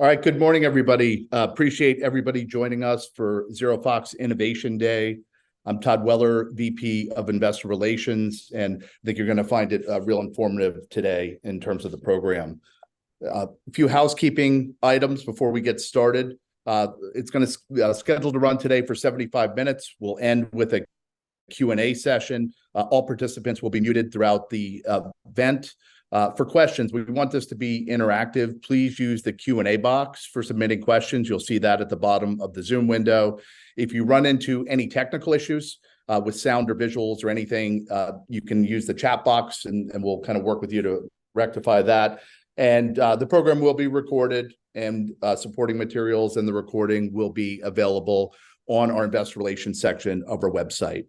All right. Good morning, everybody. Appreciate everybody joining us for ZeroFox Innovation Day. I'm Todd Weller, VP of Investor Relations, and I think you're gonna find it real informative today in terms of the program. A few housekeeping items before we get started. It's scheduled to run today for 75 minutes. We'll end with a Q&A session. All participants will be muted throughout the event. For questions, we want this to be interactive, please use the Q&A box for submitting questions. You'll see that at the bottom of the Zoom window. If you run into any technical issues with sound or visuals or anything, you can use the chat box, and we'll kind of work with you to rectify that. The program will be recorded, and supporting materials and the recording will be available on our investor relations section of our website.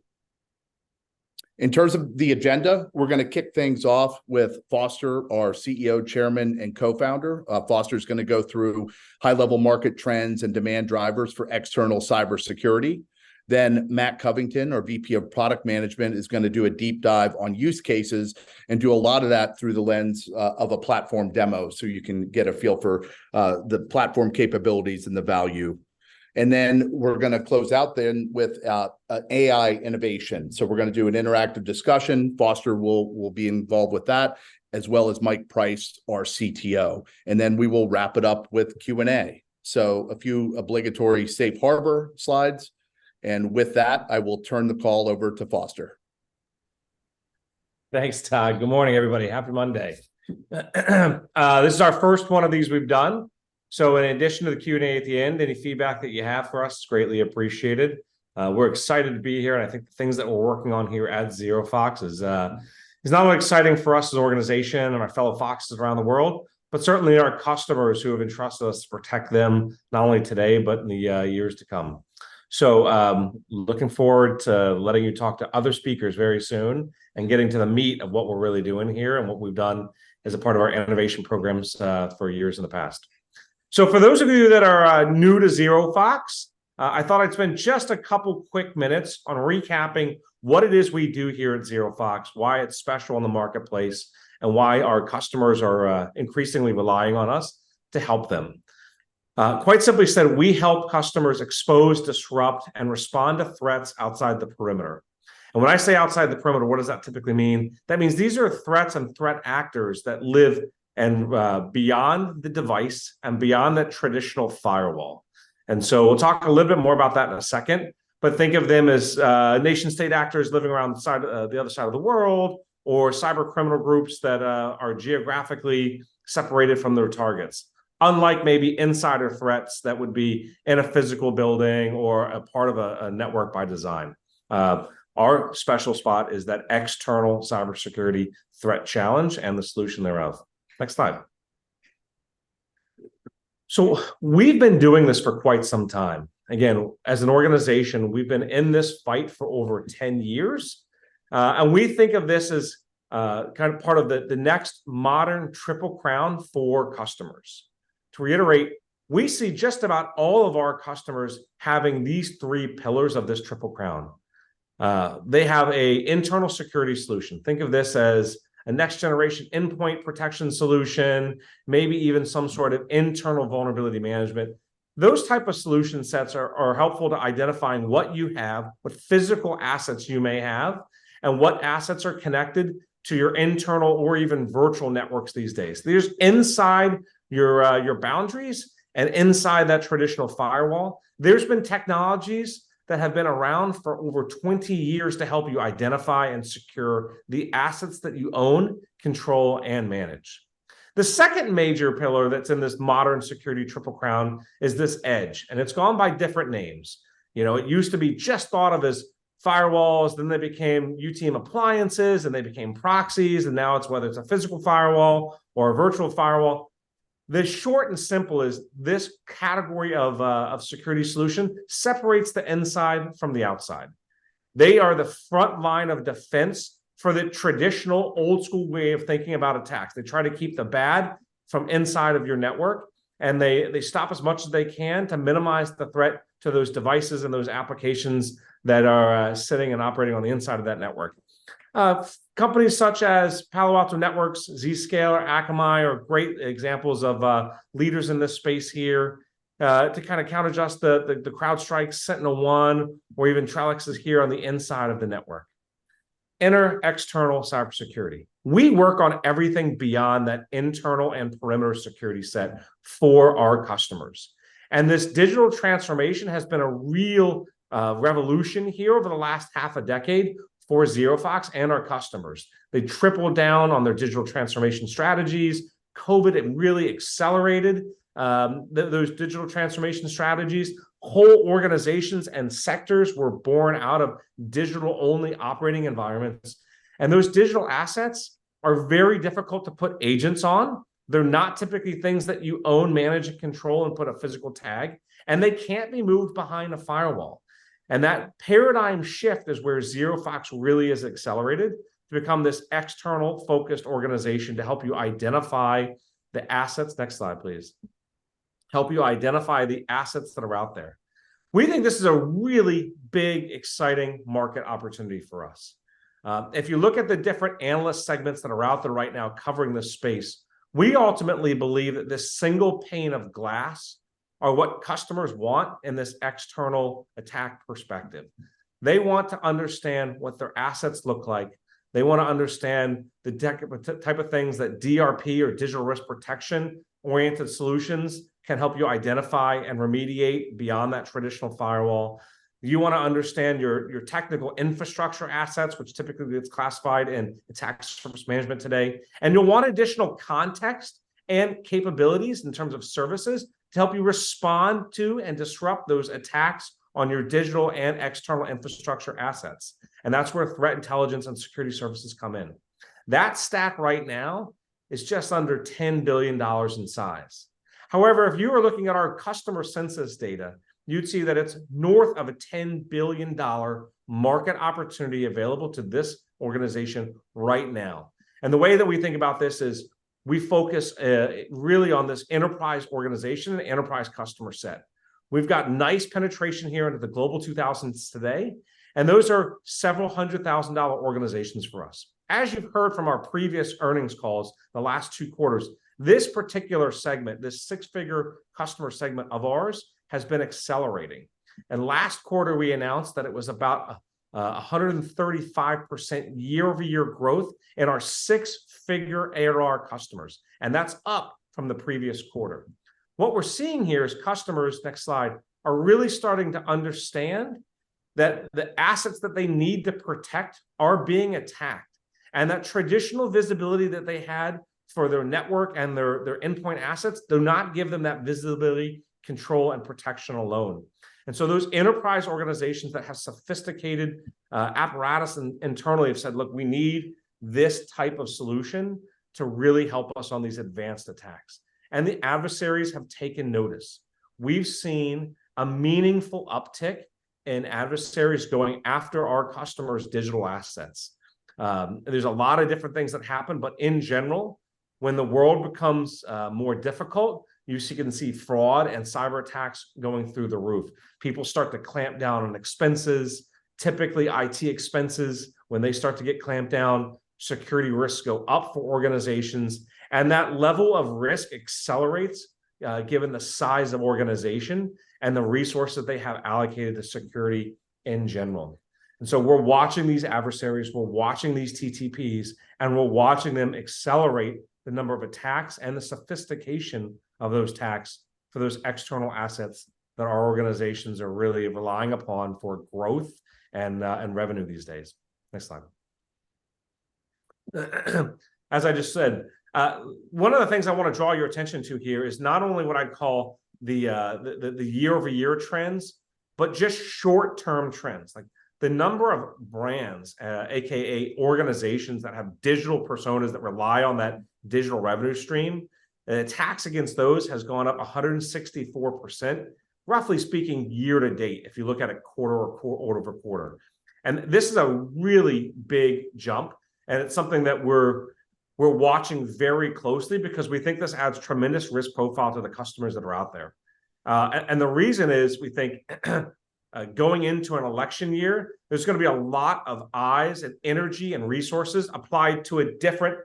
In terms of the agenda, we're gonna kick things off with Foster, our CEO, chairman, and co-founder. Foster's gonna go through high-level market trends and demand drivers for external cybersecurity. Then Matt Covington, our VP of product management, is gonna do a deep dive on use cases and do a lot of that through the lens of a platform demo, so you can get a feel for the platform capabilities and the value. And then we're gonna close out then with a AI innovation. So we're gonna do an interactive discussion. Foster will be involved with that, as well as Mike Price, our CTO, and then we will wrap it up with Q&A. A few obligatory Safe Harbor slides, and with that, I will turn the call over to Foster. Thanks, Todd. Good morning, everybody. Happy Monday. This is our first one of these we've done, so in addition to the Q&A at the end, any feedback that you have for us is greatly appreciated. We're excited to be here, and I think the things that we're working on here at ZeroFox is, is not only exciting for us as an organization and our fellow Foxes around the world, but certainly our customers who have entrusted us to protect them, not only today, but in the years to come. So, looking forward to letting you talk to other speakers very soon and getting to the meat of what we're really doing here and what we've done as a part of our innovation programs, for years in the past. So for those of you that are new to ZeroFox, I thought I'd spend just a couple quick minutes on recapping what it is we do here at ZeroFox, why it's special in the marketplace, and why our customers are increasingly relying on us to help them. Quite simply said, we help customers expose, disrupt, and respond to threats outside the perimeter. And when I say outside the perimeter, what does that typically mean? That means these are threats and threat actors that live and beyond the device and beyond the traditional firewall. We'll talk a little bit more about that in a second, but think of them as nation-state actors living around the side, the other side of the world, or cybercriminal groups that are geographically separated from their targets, unlike maybe insider threats that would be in a physical building or a part of a network by design. Our special spot is that external cybersecurity threat challenge and the solution thereof. Next slide. We've been doing this for quite some time. Again, as an organization, we've been in this fight for over 10 years. We think of this as kind of part of the next modern triple crown for customers. To reiterate, we see just about all of our customers having these three pillars of this triple crown. They have a internal security solution. Think of this as a next-generation endpoint protection solution, maybe even some sort of internal vulnerability management. Those type of solution sets are helpful to identifying what you have, what physical assets you may have, and what assets are connected to your internal or even virtual networks these days. These inside your boundaries and inside that traditional firewall, there's been technologies that have been around for over 20 years to help you identify and secure the assets that you own, control, and manage. The second major pillar that's in this modern security triple crown is this edge, and it's gone by different names. You know, it used to be just thought of as firewalls, then they became UTM appliances, and they became proxies, and now it's whether it's a physical firewall or a virtual firewall. The short and simple is, this category of, of security solution separates the inside from the outside. They are the front line of defense for the traditional old school way of thinking about attacks. They try to keep the bad from inside of your network, and they, they stop as much as they can to minimize the threat to those devices and those applications that are, sitting and operating on the inside of that network. Companies such as Palo Alto Networks, Zscaler, Akamai are great examples of, leaders in this space here. To kind of counter adjust the, the, the CrowdStrike, SentinelOne, or even Trellix is here on the inside of the network. Enter external cybersecurity. We work on everything beyond that internal and perimeter security set for our customers, and this digital transformation has been a real revolution here over the last half a decade for ZeroFox and our customers. They tripled down on their digital transformation strategies. COVID, it really accelerated those digital transformation strategies. Whole organizations and sectors were born out of digital-only operating environments, and those digital assets are very difficult to put agents on. They're not typically things that you own, manage, and control, and put a physical tag, and they can't be moved behind a firewall. And that paradigm shift is where ZeroFox really has accelerated to become this external-focused organization to help you identify the assets. Next slide, please. Help you identify the assets that are out there. We think this is a really big, exciting market opportunity for us. If you look at the different analyst segments that are out there right now covering this space, we ultimately believe that this single pane of glass are what customers want in this external attack perspective. They want to understand what their assets look like. They wanna understand the type of things that DRP or digital risk protection-oriented solutions can help you identify and remediate beyond that traditional firewall. You wanna understand your technical infrastructure assets, which typically it's classified in attack surface management today, and you'll want additional context and capabilities in terms of services, to help you respond to and disrupt those attacks on your digital and external infrastructure assets, and that's where threat intelligence and security services come in. That stack right now is just under $10 billion in size. However, if you were looking at our customer census data, you'd see that it's north of a $10 billion market opportunity available to this organization right now. The way that we think about this is, we focus really on this enterprise organization and enterprise customer set. We've got nice penetration here into the Global 2000s today, and those are several hundred-thousand-dollar organizations for us. As you've heard from our previous earnings calls the last two quarters, this particular segment, this six-figure customer segment of ours, has been accelerating. Last quarter, we announced that it was about 135% year-over-year growth in our six-figure ARR customers, and that's up from the previous quarter. What we're seeing here is customers, next slide, are really starting to understand that the assets that they need to protect are being attacked, and that traditional visibility that they had for their network and their, their endpoint assets do not give them that visibility, control, and protection alone. And so those enterprise organizations that have sophisticated apparatus internally have said, "Look, we need this type of solution to really help us on these advanced attacks." And the adversaries have taken notice. We've seen a meaningful uptick in adversaries going after our customers' digital assets. There's a lot of different things that happen, but in general, when the world becomes more difficult, you can see fraud and cyber attacks going through the roof. People start to clamp down on expenses. Typically, IT expenses, when they start to get clamped down, security risks go up for organizations, and that level of risk accelerates, given the size of organization and the resources they have allocated to security in general. And so we're watching these adversaries, we're watching these TTPs, and we're watching them accelerate the number of attacks and the sophistication of those attacks for those external assets that our organizations are really relying upon for growth and revenue these days. Next slide. As I just said, one of the things I wanna draw your attention to here is not only what I'd call the year-over-year trends, but just short-term trends. Like, the number of brands, AKA organizations that have digital personas that rely on that digital revenue stream, attacks against those has gone up 164%, roughly speaking, year to date, if you look at it quarter over quarter. And this is a really big jump, and it's something that we're watching very closely because we think this adds tremendous risk profile to the customers that are out there. And the reason is, we think, going into an election year, there's gonna be a lot of eyes and energy and resources applied to a different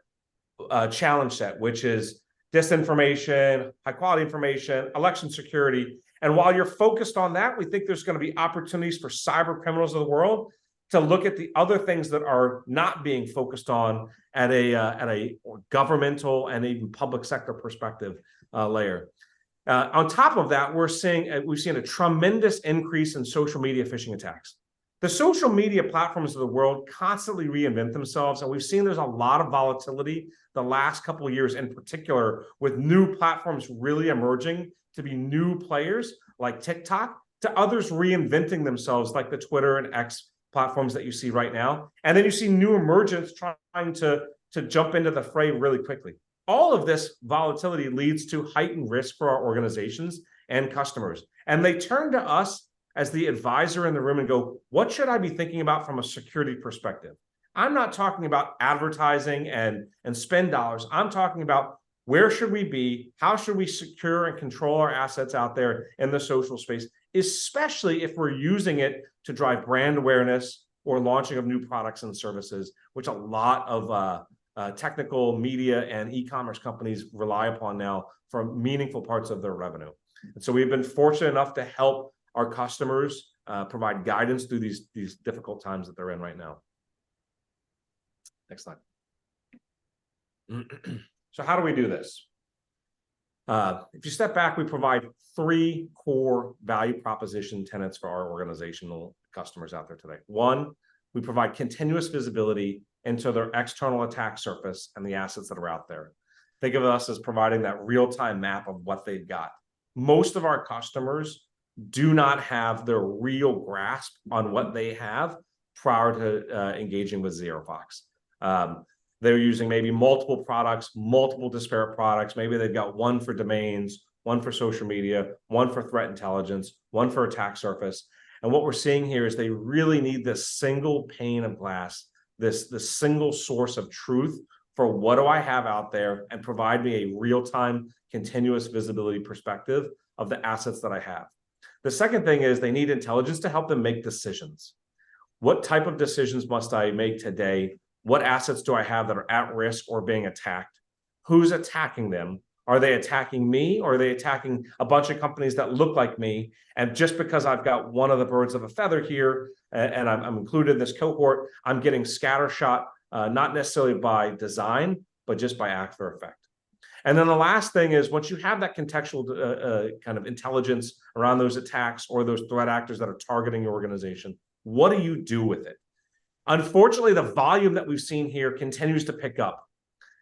challenge set, which is disinformation, high-quality information, election security. While you're focused on that, we think there's gonna be opportunities for cyber criminals of the world to look at the other things that are not being focused on at a governmental and even public sector perspective layer. On top of that, we're seeing we've seen a tremendous increase in social media phishing attacks. The social media platforms of the world constantly reinvent themselves, and we've seen there's a lot of volatility the last couple of years, in particular, with new platforms really emerging to be new players, like TikTok, to others reinventing themselves, like the Twitter and X platforms that you see right now, and then you see new emergents trying to jump into the frame really quickly. All of this volatility leads to heightened risk for our organizations and customers, and they turn to us as the advisor in the room and go, "What should I be thinking about from a security perspective? I'm not talking about advertising and spend dollars. I'm talking about where should we be, how should we secure and control our assets out there in the social space, especially if we're using it to drive brand awareness or launching of new products and services," which a lot of technical media and e-commerce companies rely upon now for meaningful parts of their revenue. And so we've been fortunate enough to help our customers provide guidance through these difficult times that they're in right now. Next slide. So how do we do this? If you step back, we provide three core value proposition tenets for our organizational customers out there today. One, we provide continuous visibility into their external attack surface and the assets that are out there. Think of us as providing that real-time map of what they've got. Most of our customers do not have the real grasp on what they have prior to engaging with ZeroFox. They're using maybe multiple products, multiple disparate products. Maybe they've got one for domains, one for social media, one for threat intelligence, one for attack surface. And what we're seeing here is they really need this single pane of glass, this, this single source of truth for, "What do I have out there?," and provide me a real-time, continuous visibility perspective of the assets that I have. The second thing is they need intelligence to help them make decisions. What type of decisions must I make today? What assets do I have that are at risk or being attacked? Who's attacking them? Are they attacking me, or are they attacking a bunch of companies that look like me? And just because I've got one of the birds of a feather here, and I'm included in this cohort, I'm getting scattershot, not necessarily by design, but just by actor effect. And then the last thing is, once you have that contextual, kind of intelligence around those attacks or those threat actors that are targeting your organization, what do you do with it? Unfortunately, the volume that we've seen here continues to pick up,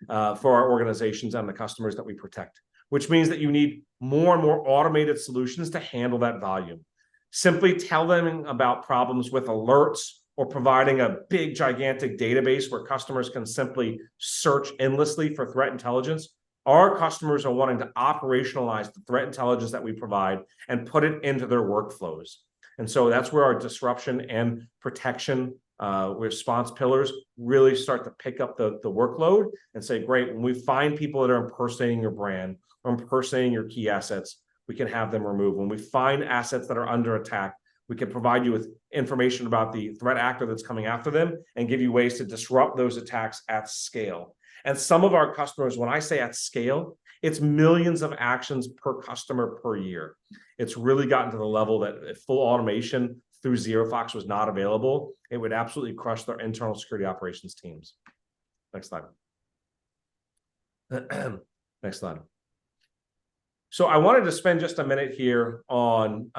for our organizations and the customers that we protect, which means that you need more and more automated solutions to handle that volume. Simply telling about problems with alerts or providing a big, gigantic database where customers can simply search endlessly for threat intelligence, our customers are wanting to operationalize the threat intelligence that we provide and put it into their workflows. And so that's where our disruption and protection, response pillars really start to pick up the workload and say, "Great, when we find people that are impersonating your brand or impersonating your key assets, we can have them removed. When we find assets that are under attack, we can provide you with information about the threat actor that's coming after them and give you ways to disrupt those attacks at scale." And some of our customers, when I say at scale, it's millions of actions per customer per year. It's really gotten to the level that if full automation through ZeroFox was not available, it would absolutely crush their internal security operations teams. Next slide. Next slide. So I wanted to spend just a minute here on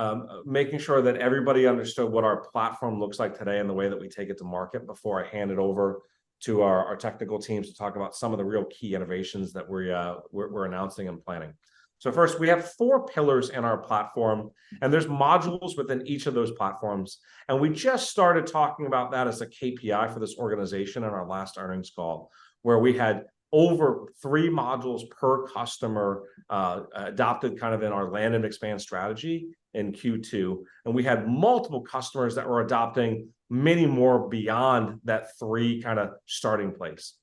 making sure that everybody understood what our platform looks like today and the way that we take it to market before I hand it over to our technical teams to talk about some of the real key innovations that we're announcing and planning. So first, we have four pillars in our platform, and there's modules within each of those platforms. We just started talking about that as a KPI for this organization in our last earnings call, where we had over three modules per customer adopted, kind of in our land and expand strategy in Q2. We had multiple customers that were adopting many more beyond that three kinda starting place.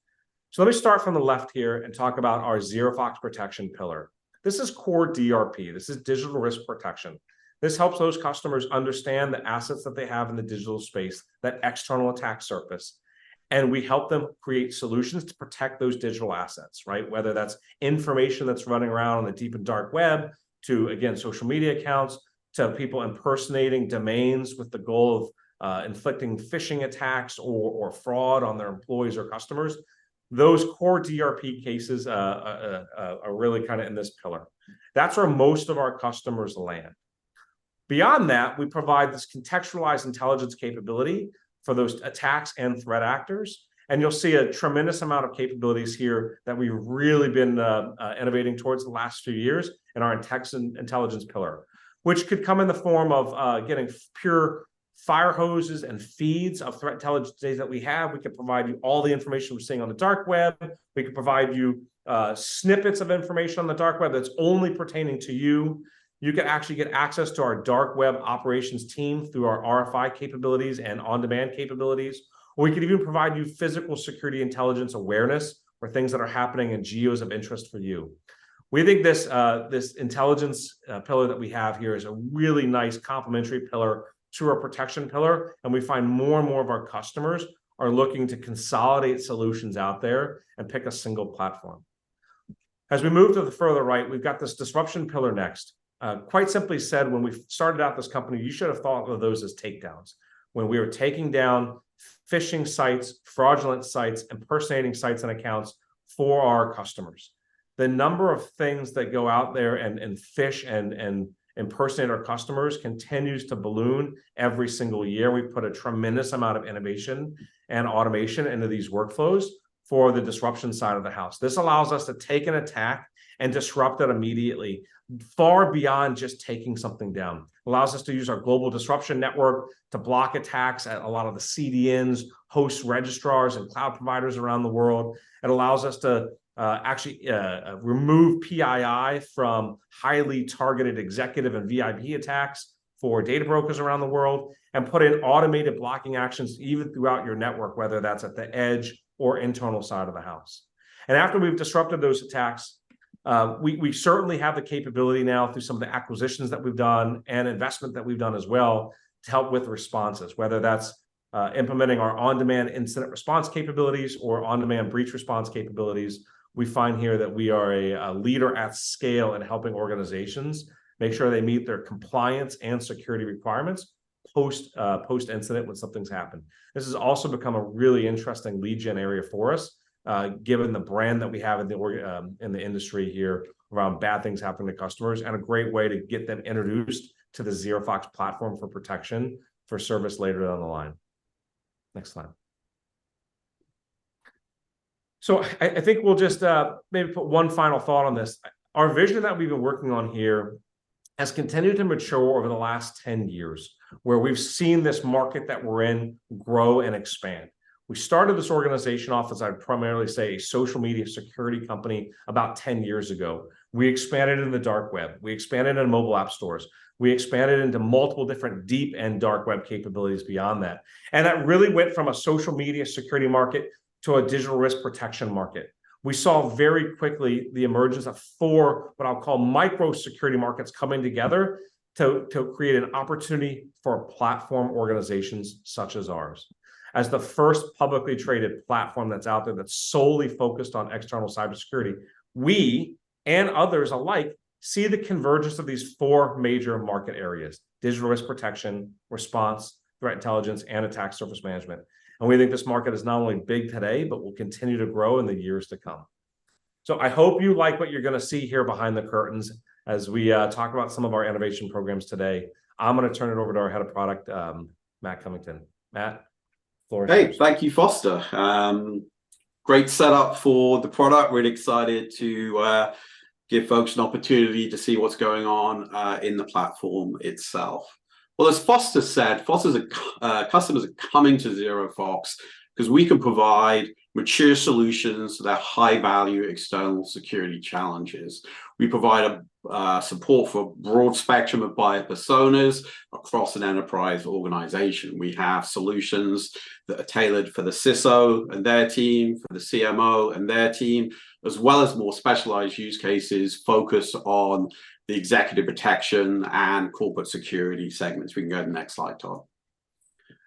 Let me start from the left here and talk about our ZeroFox Protection pillar. This is core DRP. This is digital risk protection. This helps those customers understand the assets that they have in the digital space, that external attack surface, and we help them create solutions to protect those digital assets, right? Whether that's information that's running around on the deep and dark web, to, again, social media accounts, to people impersonating domains with the goal of inflicting phishing attacks or fraud on their employees or customers. Those core DRP cases are really kinda in this pillar. That's where most of our customers land. Beyond that, we provide this contextualized intelligence capability for those attacks and threat actors, and you'll see a tremendous amount of capabilities here that we've really been innovating towards the last few years in our intelligence pillar. Which could come in the form of getting pure fire hoses and feeds of threat intelligence data that we have. We can provide you all the information we're seeing on the dark web. We can provide you snippets of information on the dark web that's only pertaining to you. You can actually get access to our dark web operations team through our RFI capabilities and on-demand capabilities, or we could even provide you physical security intelligence awareness or things that are happening in geos of interest for you. We think this, this intelligence pillar that we have here is a really nice complementary pillar to our protection pillar, and we find more and more of our customers are looking to consolidate solutions out there and pick a single platform. As we move to the further right, we've got this disruption pillar next. Quite simply said, when we started out this company, you should have thought of those as takedowns, when we were taking down phishing sites, fraudulent sites, impersonating sites and accounts for our customers. The number of things that go out there and phish and impersonate our customers continues to balloon every single year. We've put a tremendous amount of innovation and automation into these workflows for the disruption side of the house. This allows us to take an attack and disrupt it immediately, far beyond just taking something down. Allows us to use our Global Disruption Network to block attacks at a lot of the CDNs, host registrars, and cloud providers around the world. It allows us to actually remove PII from highly targeted executive and VIP attacks for data brokers around the world and put in automated blocking actions even throughout your network, whether that's at the edge or internal side of the house. After we've disrupted those attacks, we certainly have the capability now through some of the acquisitions that we've done and investment that we've done as well, to help with responses. Whether that's implementing our on-demand incident response capabilities or on-demand breach response capabilities, we find here that we are a leader at scale in helping organizations make sure they meet their compliance and security requirements post-incident, when something's happened. This has also become a really interesting lead gen area for us, given the brand that we have in the organization, in the industry here, around bad things happening to customers, and a great way to get them introduced to the ZeroFox platform for protection for service later down the line. Next slide. So I think we'll just maybe put one final thought on this. Our vision that we've been working on here has continued to mature over the last 10 years, where we've seen this market that we're in grow and expand. We started this organization off as, I'd primarily say, a social media security company about 10 years ago. We expanded into the dark web, we expanded into mobile app stores, we expanded into multiple different deep and dark web capabilities beyond that. That really went from a social media security market to a digital risk protection market. We saw very quickly the emergence of four, what I'll call, micro security markets coming together to create an opportunity for platform organizations such as ours. As the first publicly traded platform that's out there that's solely focused on external cybersecurity, we and others alike see the convergence of these four major market areas: digital risk protection, response, threat intelligence, and attack surface management. We think this market is not only big today, but will continue to grow in the years to come. I hope you like what you're gonna see here behind the curtains as we talk about some of our innovation programs today. I'm gonna turn it over to our Head of Product, Matt Covington. Matt, the floor is yours. Hey, thank you, Foster. Great setup for the product. Really excited to give folks an opportunity to see what's going on in the platform itself. Well, as Foster said, Foster, customers are coming to ZeroFox 'cause we can provide mature solutions to their high-value external security challenges. We provide support for a broad spectrum of buyer personas across an enterprise organization. We have solutions that are tailored for the CISO and their team, for the CMO and their team, as well as more specialized use cases, focus on the executive protection and corporate security segments. We can go to the next slide, Todd.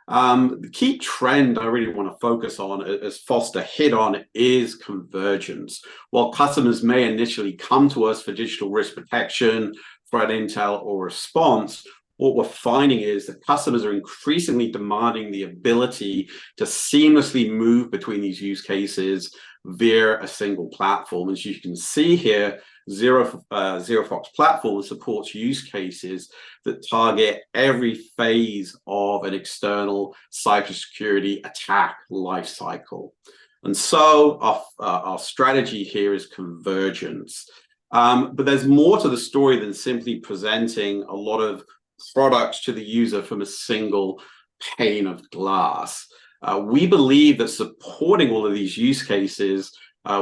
The key trend I really wanna focus on, as, as Foster hit on, is convergence. While customers may initially come to us for Digital Risk Protection, threat intel, or response, what we're finding is that customers are increasingly demanding the ability to seamlessly move between these use cases via a single platform. As you can see here, ZeroFox Platform supports use cases that target every phase of an external cybersecurity attack life cycle. Our strategy here is convergence. But there's more to the story than simply presenting a lot of products to the user from a single pane of glass. We believe that supporting all of these use cases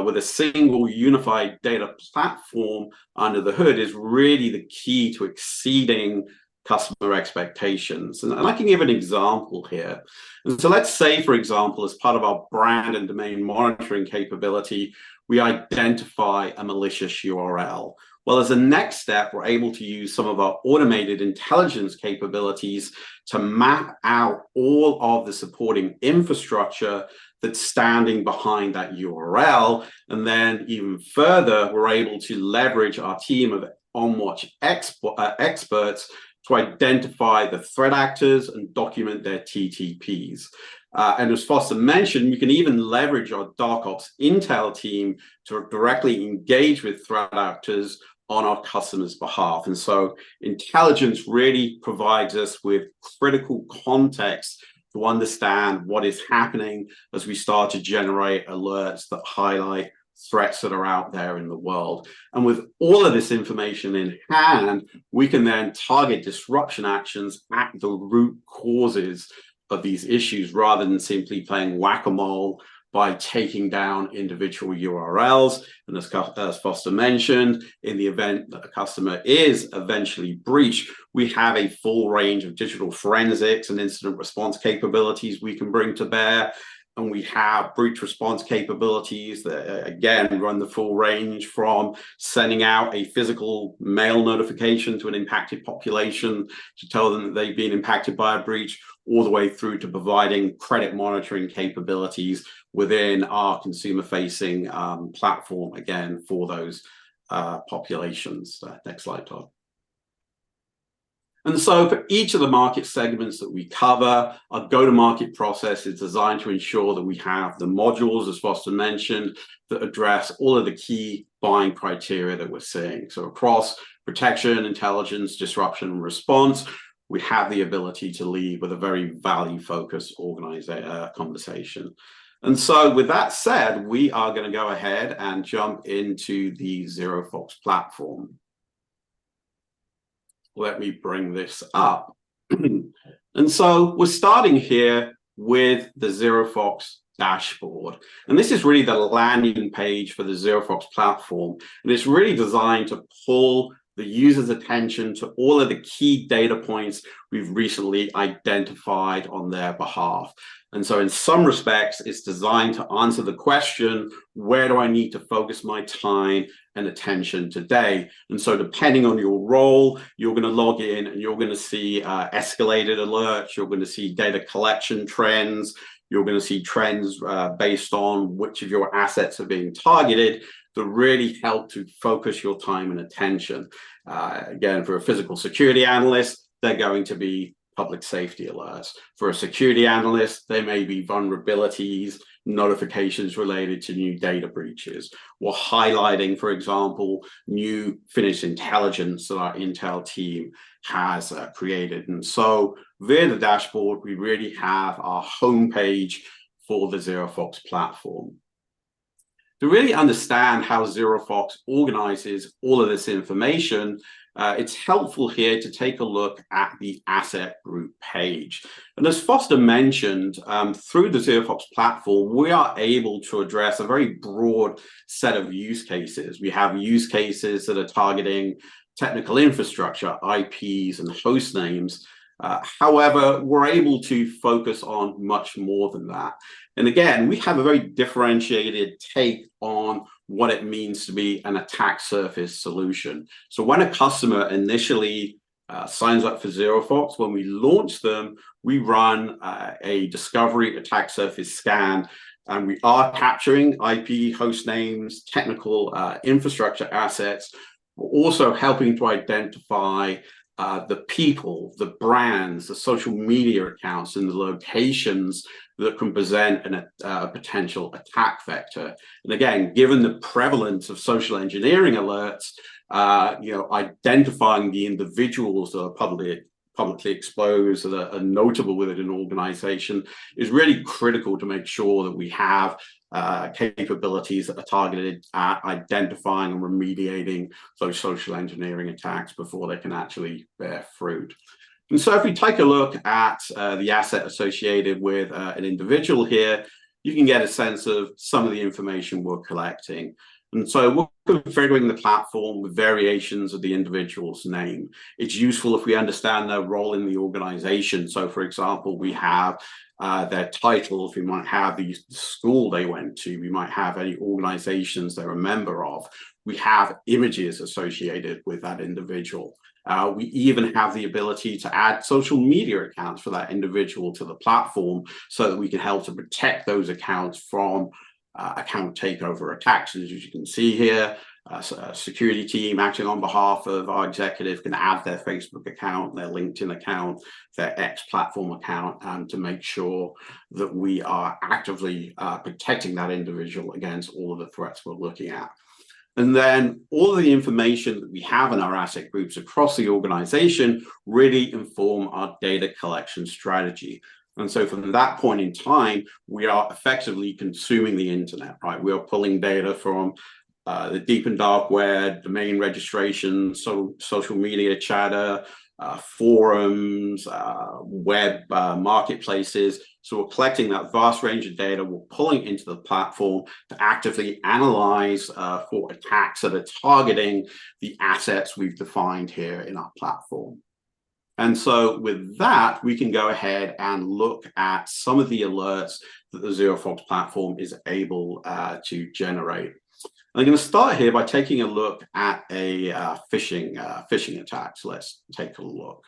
with a single unified data platform under the hood is really the key to exceeding customer expectations. I can give an example here. Let's say, for example, as part of our brand and domain monitoring capability, we identify a malicious URL. Well, as a next step, we're able to use some of our automated intelligence capabilities to map out all of the supporting infrastructure that's standing behind that URL. And then even further, we're able to leverage our team of OnWatch experts to identify the threat actors and document their TTPs. And as Foster mentioned, we can even leverage our Dark Ops intel team to directly engage with threat actors on our customer's behalf. And so intelligence really provides us with critical context to understand what is happening as we start to generate alerts that highlight threats that are out there in the world. And with all of this information in hand, we can then target disruption actions at the root causes of these issues, rather than simply playing Whack-A-Mole by taking down individual URLs. As Foster mentioned, in the event that a customer is eventually breached, we have a full range of digital forensics and incident response capabilities we can bring to bear, and we have breach response capabilities that, again, run the full range from sending out a physical mail notification to an impacted population to tell them that they've been impacted by a breach, all the way through to providing credit monitoring capabilities within our consumer-facing platform, again, for those populations. Next slide, Todd. So for each of the market segments that we cover, our go-to-market process is designed to ensure that we have the modules, as Foster mentioned, that address all of the key buying criteria that we're seeing. So across protection, intelligence, disruption, and response, we have the ability to lead with a very value-focused conversation. And so with that said, we are gonna go ahead and jump into the ZeroFox platform. Let me bring this up. And so we're starting here with the ZeroFox dashboard, and this is really the landing page for the ZeroFox platform. And it's really designed to pull the user's attention to all of the key data points we've recently identified on their behalf. And so in some respects, it's designed to answer the question: Where do I need to focus my time and attention today? And so depending on your role, you're gonna log in, and you're gonna see escalated alerts, you're gonna see data collection trends, you're gonna see trends based on which of your assets are being targeted, that really help to focus your time and attention. Again, for a physical security analyst, they're going to be public safety alerts. For a security analyst, they may be vulnerabilities, notifications related to new data breaches. We're highlighting, for example, new finished intelligence that our intel team has created. And so via the dashboard, we really have our homepage for the ZeroFox platform. To really understand how ZeroFox organizes all of this information, it's helpful here to take a look at the asset group page. And as Foster mentioned, through the ZeroFox platform, we are able to address a very broad set of use cases. We have use cases that are targeting technical infrastructure, IPs, and host names. However, we're able to focus on much more than that. And again, we have a very differentiated take on what it means to be an attack surface solution. So when a customer initially signs up for ZeroFox, when we launch them, we run a discovery attack surface scan, and we are capturing IP host names, technical infrastructure assets. We're also helping to identify the people, the brands, the social media accounts, and the locations that can present an potential attack vector. And again, given the prevalence of social engineering alerts, you know, identifying the individuals that are publicly exposed and are notable within an organization is really critical to make sure that we have capabilities that are targeted at identifying and remediating those social engineering attacks before they can actually bear fruit. And so if we take a look at the asset associated with an individual here, you can get a sense of some of the information we're collecting. And so we're configuring the platform with variations of the individual's name. It's useful if we understand their role in the organization. So, for example, we have their titles, we might have the school they went to, we might have any organizations they're a member of. We have images associated with that individual. We even have the ability to add social media accounts for that individual to the platform, so that we can help to protect those accounts from account takeover attacks. And as you can see here, so a security team acting on behalf of our executive can add their Facebook account, their LinkedIn account, their X platform account, and to make sure that we are actively protecting that individual against all of the threats we're looking at. And then all of the information that we have in our asset groups across the organization really inform our data collection strategy. And so from that point in time, we are effectively consuming the Internet, right? We are pulling data from the deep and dark web, domain registrations, so social media chatter, forums, web marketplaces. So we're collecting that vast range of data, we're pulling into the platform to actively analyze for attacks that are targeting the assets we've defined here in our platform. And so with that, we can go ahead and look at some of the alerts that the ZeroFox platform is able to generate. I'm gonna start here by taking a look at a phishing attacks. Let's take a look.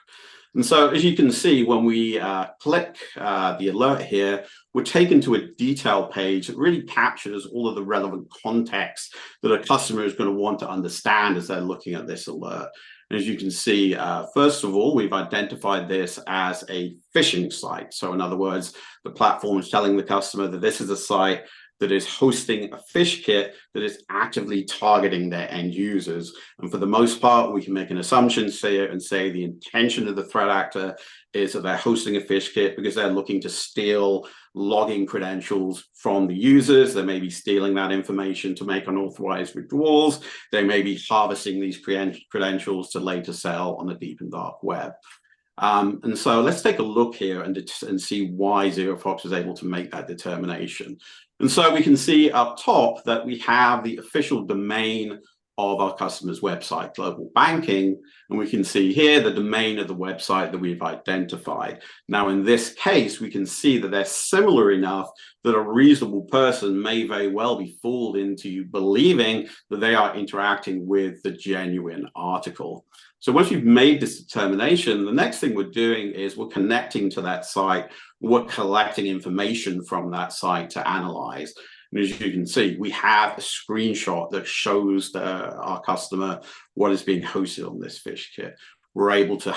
As you can see, when we click the alert here, we're taken to a detail page that really captures all of the relevant context that a customer is gonna want to understand as they're looking at this alert. And as you can see, first of all, we've identified this as a phishing site. So in other words, the platform is telling the customer that this is a site that is hosting a phish kit that is actively targeting their end users. And for the most part, we can make an assumption, say, and say the intention of the threat actor is that they're hosting a phish kit because they're looking to steal login credentials from the users. They may be stealing that information to make unauthorized withdrawals. They may be harvesting these credentials to later sell on the deep and dark web. Let's take a look here and see why ZeroFox was able to make that determination. We can see up top that we have the official domain of our customer's website, Global Banking, and we can see here the domain of the website that we've identified. Now, in this case, we can see that they're similar enough that a reasonable person may very well be fooled into believing that they are interacting with the genuine article. Once you've made this determination, the next thing we're doing is we're connecting to that site. We're collecting information from that site to analyze. As you can see, we have a screenshot that shows our customer what is being hosted on this phish kit. We're able to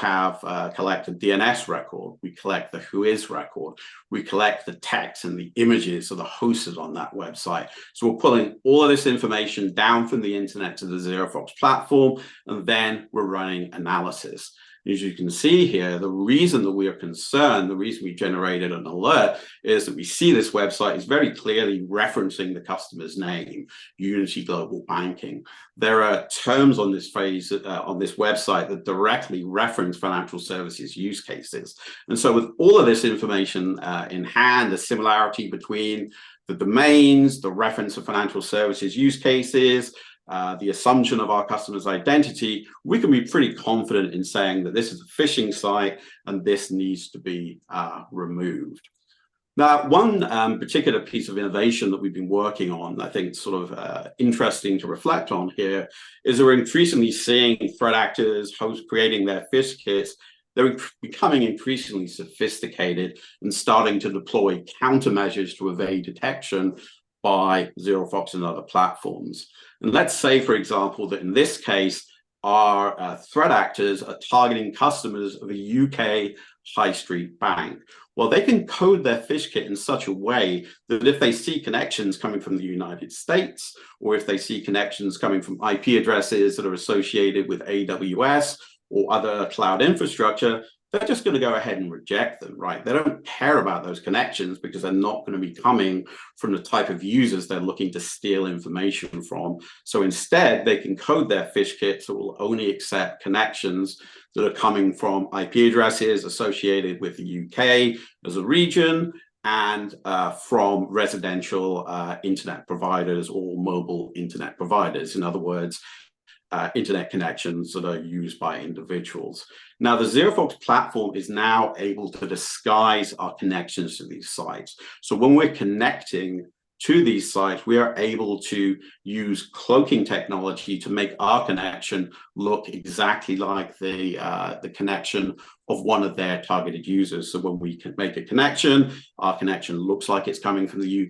collect a DNS record. We collect the WHOIS record. We collect the text and the images of the hosts on that website. So we're pulling all of this information down from the internet to the ZeroFox platform, and then we're running analysis. As you can see here, the reason that we are concerned, the reason we generated an alert, is that we see this website is very clearly referencing the customer's name, Unity Global Banking. There are terms on this page, on this website, that directly reference financial services use cases. And so with all of this information, in hand, the similarity between the domains, the reference of financial services use cases, the assumption of our customer's identity, we can be pretty confident in saying that this is a phishing site, and this needs to be removed. Now, one particular piece of innovation that we've been working on, I think sort of interesting to reflect on here, is we're increasingly seeing threat actors who are creating their phish kits. They're becoming increasingly sophisticated and starting to deploy countermeasures to evade detection by ZeroFox and other platforms. And let's say, for example, that in this case, our threat actors are targeting customers of a U.K. high street bank. Well, they can code their phish kit in such a way that if they see connections coming from the United States, or if they see connections coming from IP addresses that are associated with AWS or other cloud infrastructure, they're just gonna go ahead and reject them, right? They don't care about those connections because they're not gonna be coming from the type of users they're looking to steal information from. So instead, they can code their phish kits that will only accept connections that are coming from IP addresses associated with the U.K. as a region and from residential internet providers or mobile internet providers, in other words, internet connections that are used by individuals. Now, the ZeroFox platform is now able to disguise our connections to these sites. So when we're connecting to these sites, we are able to use cloaking technology to make our connection look exactly like the connection of one of their targeted users. So when we make a connection, our connection looks like it's coming from the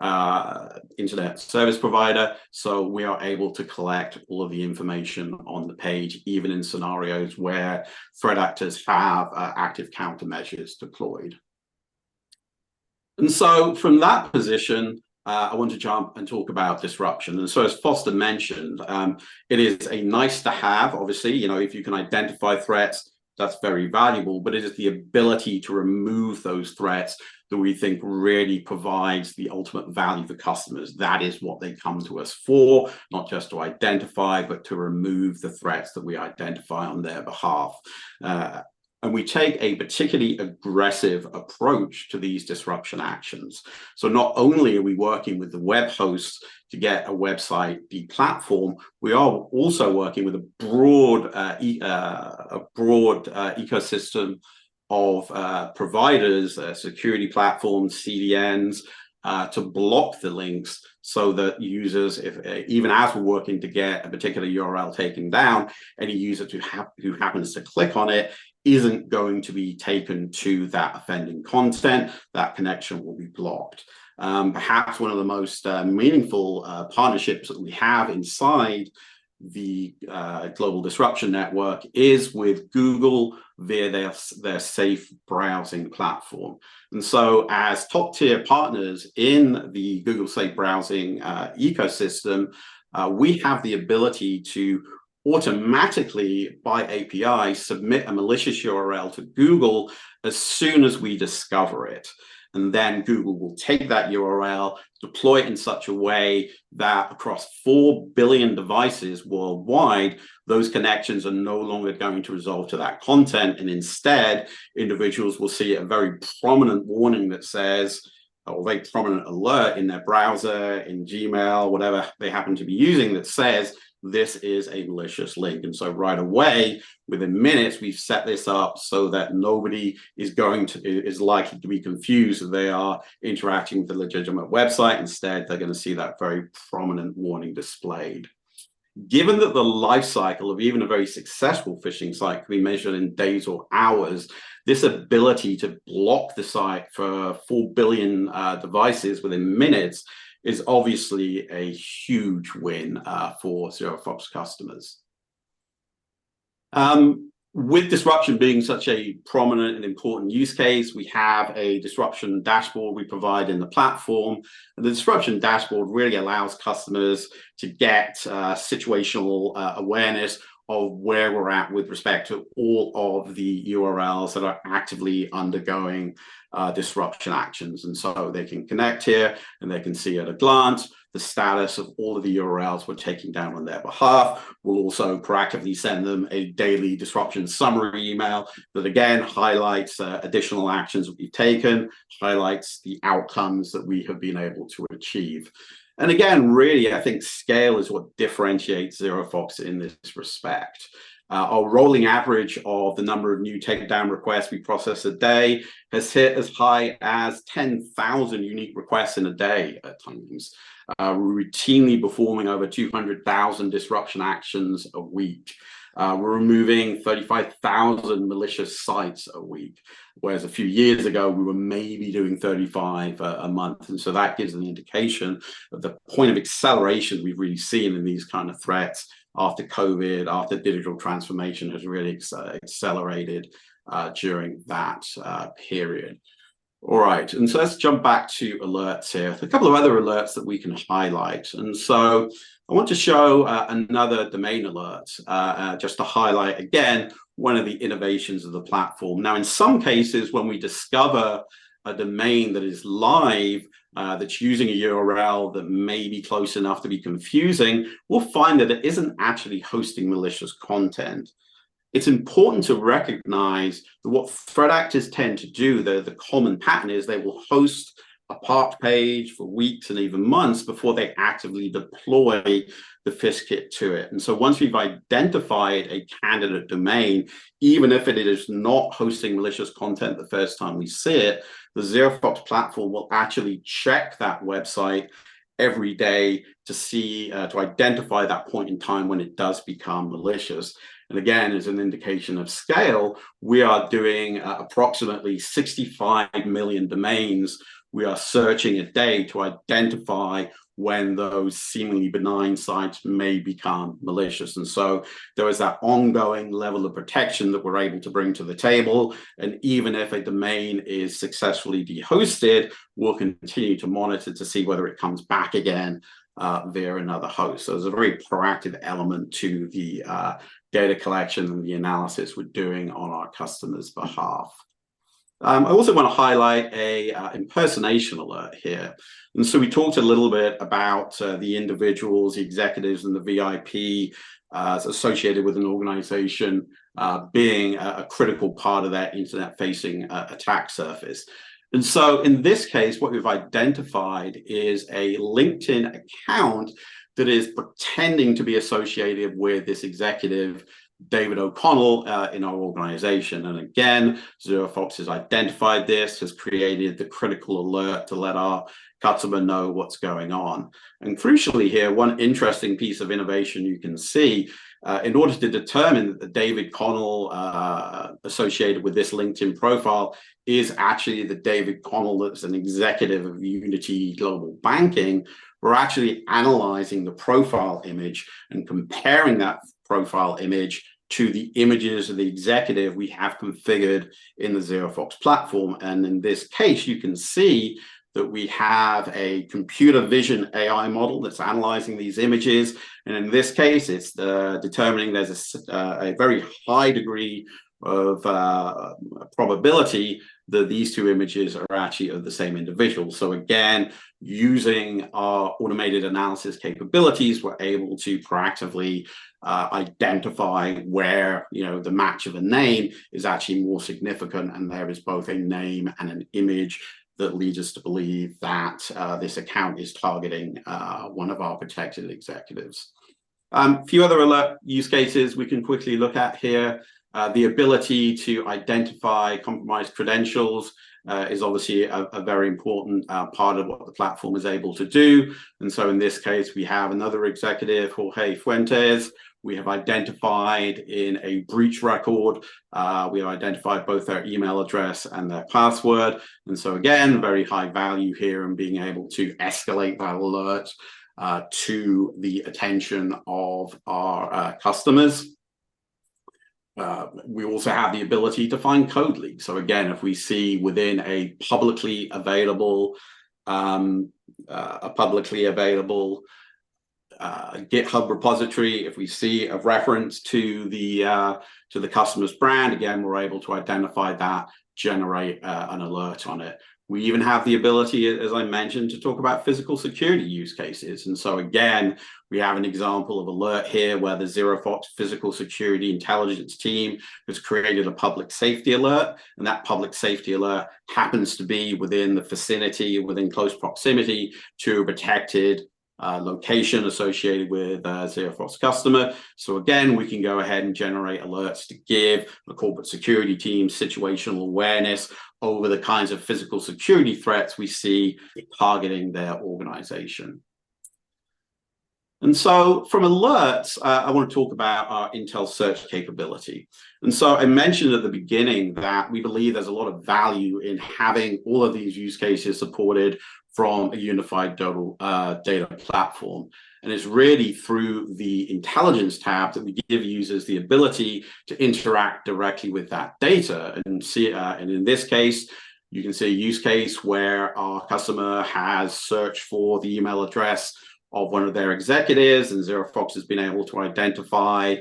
U.K., it looks like it's coming from a residential internet service provider. So we are able to collect all of the information on the page, even in scenarios where threat actors have active countermeasures deployed. From that position, I want to jump and talk about disruption. As Foster mentioned, it is a nice to have. Obviously, you know, if you can identify threats, that's very valuable, but it is the ability to remove those threats that we think really provides the ultimate value for customers. That is what they come to us for, not just to identify, but to remove the threats that we identify on their behalf. And we take a particularly aggressive approach to these disruption actions. So not only are we working with the web hosts to get a website, the platform, we are also working with a broad ecosystem of providers, security platforms, CDNs, to block the links so that users, even as we're working to get a particular URL taken down, any user who happens to click on it isn't going to be taken to that offending content. That connection will be blocked. Perhaps one of the most meaningful partnerships that we have inside the Global Disruption Network is with Google, via their Safe Browsing platform. So as top-tier partners in the Google Safe Browsing ecosystem, we have the ability to automatically, by API, submit a malicious URL to Google as soon as we discover it, and then Google will take that URL, deploy it in such a way that across 4 billion devices worldwide, those connections are no longer going to resolve to that content. And instead, individuals will see a very prominent warning that says, or a very prominent alert in their browser, in Gmail, whatever they happen to be using, that says, "This is a malicious link." So right away, within minutes, we've set this up so that nobody is likely to be confused that they are interacting with a legitimate website. Instead, they're gonna see that very prominent warning displayed. Given that the life cycle of even a very successful phishing site can be measured in days or hours, this ability to block the site for 4 billion devices within minutes is obviously a huge win for ZeroFox customers. With disruption being such a prominent and important use case, we have a disruption dashboard we provide in the platform. The disruption dashboard really allows customers to get situational awareness of where we're at with respect to all of the URLs that are actively undergoing disruption actions. And so they can connect here, and they can see at a glance the status of all of the URLs we're taking down on their behalf. We'll also proactively send them a daily disruption summary email that, again, highlights additional actions will be taken, highlights the outcomes that we have been able to achieve. And again, really, I think scale is what differentiates ZeroFox in this respect. Our rolling average of the number of new takedown requests we process a day has hit as high as 10,000 unique requests in a day at times. We're routinely performing over 200,000 disruption actions a week. We're removing 35,000 malicious sites a week, whereas a few years ago, we were maybe doing 35 a month. So that gives an indication of the point of acceleration we've really seen in these kind of threats after COVID, after digital transformation, has really accelerated during that period. All right, so let's jump back to alerts here. A couple of other alerts that we can highlight. So I want to show another domain alert just to highlight again, one of the innovations of the platform. Now, in some cases, when we discover a domain that is live, that's using a URL that may be close enough to be confusing, we'll find that it isn't actually hosting malicious content. It's important to recognize that what threat actors tend to do, the common pattern is they will host a parked page for weeks and even months before they actively deploy the phish kit to it. And so once we've identified a candidate domain, even if it is not hosting malicious content the first time we see it, the ZeroFox platform will actually check that website every day to see, to identify that point in time when it does become malicious. And again, as an indication of scale, we are doing approximately 65 million domains we are searching a day to identify when those seemingly benign sites may become malicious. So there is that ongoing level of protection that we're able to bring to the table, and even if a domain is successfully dehosted, we'll continue to monitor to see whether it comes back again via another host. So there's a very proactive element to the data collection and the analysis we're doing on our customer's behalf. I also wanna highlight an impersonation alert here. So we talked a little bit about the individuals, the executives, and the VIP associated with an organization being a critical part of their internet-facing attack surface. So in this case, what we've identified is a LinkedIn account that is pretending to be associated with this executive, David O'Connell, in our organization. And again, ZeroFox has identified this, has created the critical alert to let our customer know what's going on. Crucially here, one interesting piece of innovation you can see, in order to determine that the David O'Connell associated with this LinkedIn profile is actually the David O'Connell that's an executive of Unity Global Banking, we're actually analyzing the profile image and comparing that profile image to the images of the executive we have configured in the ZeroFox platform. In this case, you can see that we have a computer vision AI model that's analyzing these images, and in this case, it's determining there's a very high degree of probability that these two images are actually of the same individual. So again, using our automated analysis capabilities, we're able to proactively identify where, you know, the match of a name is actually more significant, and there is both a name and an image that leads us to believe that this account is targeting one of our protected executives. A few other alert use cases we can quickly look at here. The ability to identify compromised credentials is obviously a very important part of what the platform is able to do. And so in this case, we have another executive, Jorge Fuentes; we have identified in a breach record. We have identified both their email address and their password. And so again, very high value here in being able to escalate that alert to the attention of our customers. We also have the ability to find code leaks. So again, if we see within a publicly available GitHub repository, if we see a reference to the customer's brand, again, we're able to identify that, generate an alert on it. We even have the ability, as I mentioned, to talk about physical security use cases. And so again, we have an example of alert here, where the ZeroFox Physical Security Intelligence team has created a public safety alert, and that public safety alert happens to be within the vicinity, within close proximity to a protected location associated with a ZeroFox customer. So again, we can go ahead and generate alerts to give the corporate security team situational awareness over the kinds of physical security threats we see targeting their organization. And so from alerts, I wanna talk about our intel search capability. So I mentioned at the beginning that we believe there's a lot of value in having all of these use cases supported from a unified data platform. It's really through the intelligence tab that we give users the ability to interact directly with that data and see. In this case, you can see a use case where our customer has searched for the email address of one of their executives, and ZeroFox has been able to identify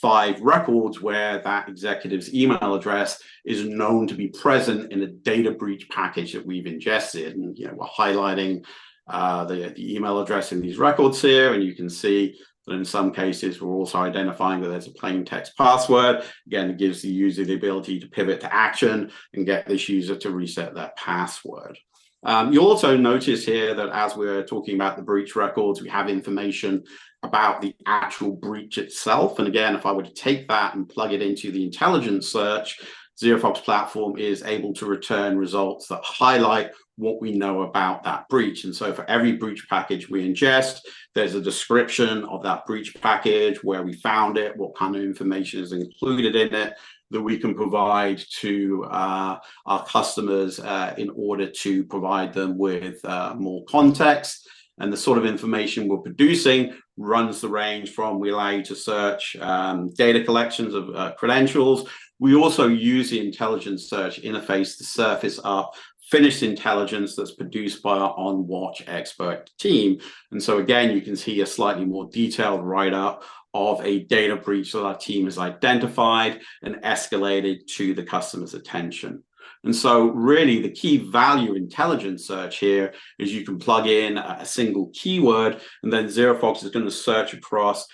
five records where that executive's email address is known to be present in a data breach package that we've ingested. You know, we're highlighting the email address in these records here, and you can see that in some cases, we're also identifying that there's a plain text password. Again, it gives the user the ability to pivot to action and get this user to reset that password. You'll also notice here that as we're talking about the breach records, we have information about the actual breach itself. And again, if I were to take that and plug it into the intelligence search, ZeroFox Platform is able to return results that highlight what we know about that breach. And so for every breach package we ingest, there's a description of that breach package, where we found it, what kind of information is included in it that we can provide to our customers in order to provide them with more context. And the sort of information we're producing runs the range from we allow you to search data collections of credentials. We also use the intelligence search interface to surface up finished intelligence that's produced by our OnWatch expert team. And so again, you can see a slightly more detailed write-up of a data breach that our team has identified and escalated to the customer's attention. And so really, the key value intelligence search here is you can plug in a single keyword, and then ZeroFox is going to search across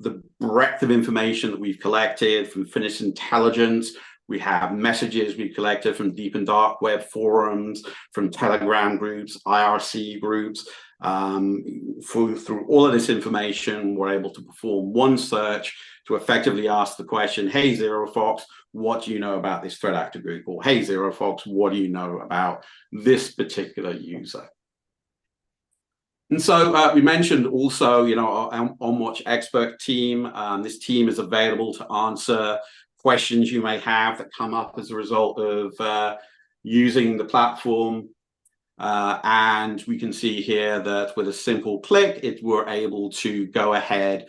the breadth of information that we've collected from finished intelligence. We have messages we've collected from deep and dark web forums, from Telegram groups, IRC groups. Through all of this information, we're able to perform one search to effectively ask the question, "Hey, ZeroFox, what do you know about this threat actor group?" Or, "Hey, ZeroFox, what do you know about this particular user?" And so we mentioned also, you know, our OnWatch expert team. This team is available to answer questions you may have that come up as a result of using the platform. We can see here that with a simple click, we're able to go ahead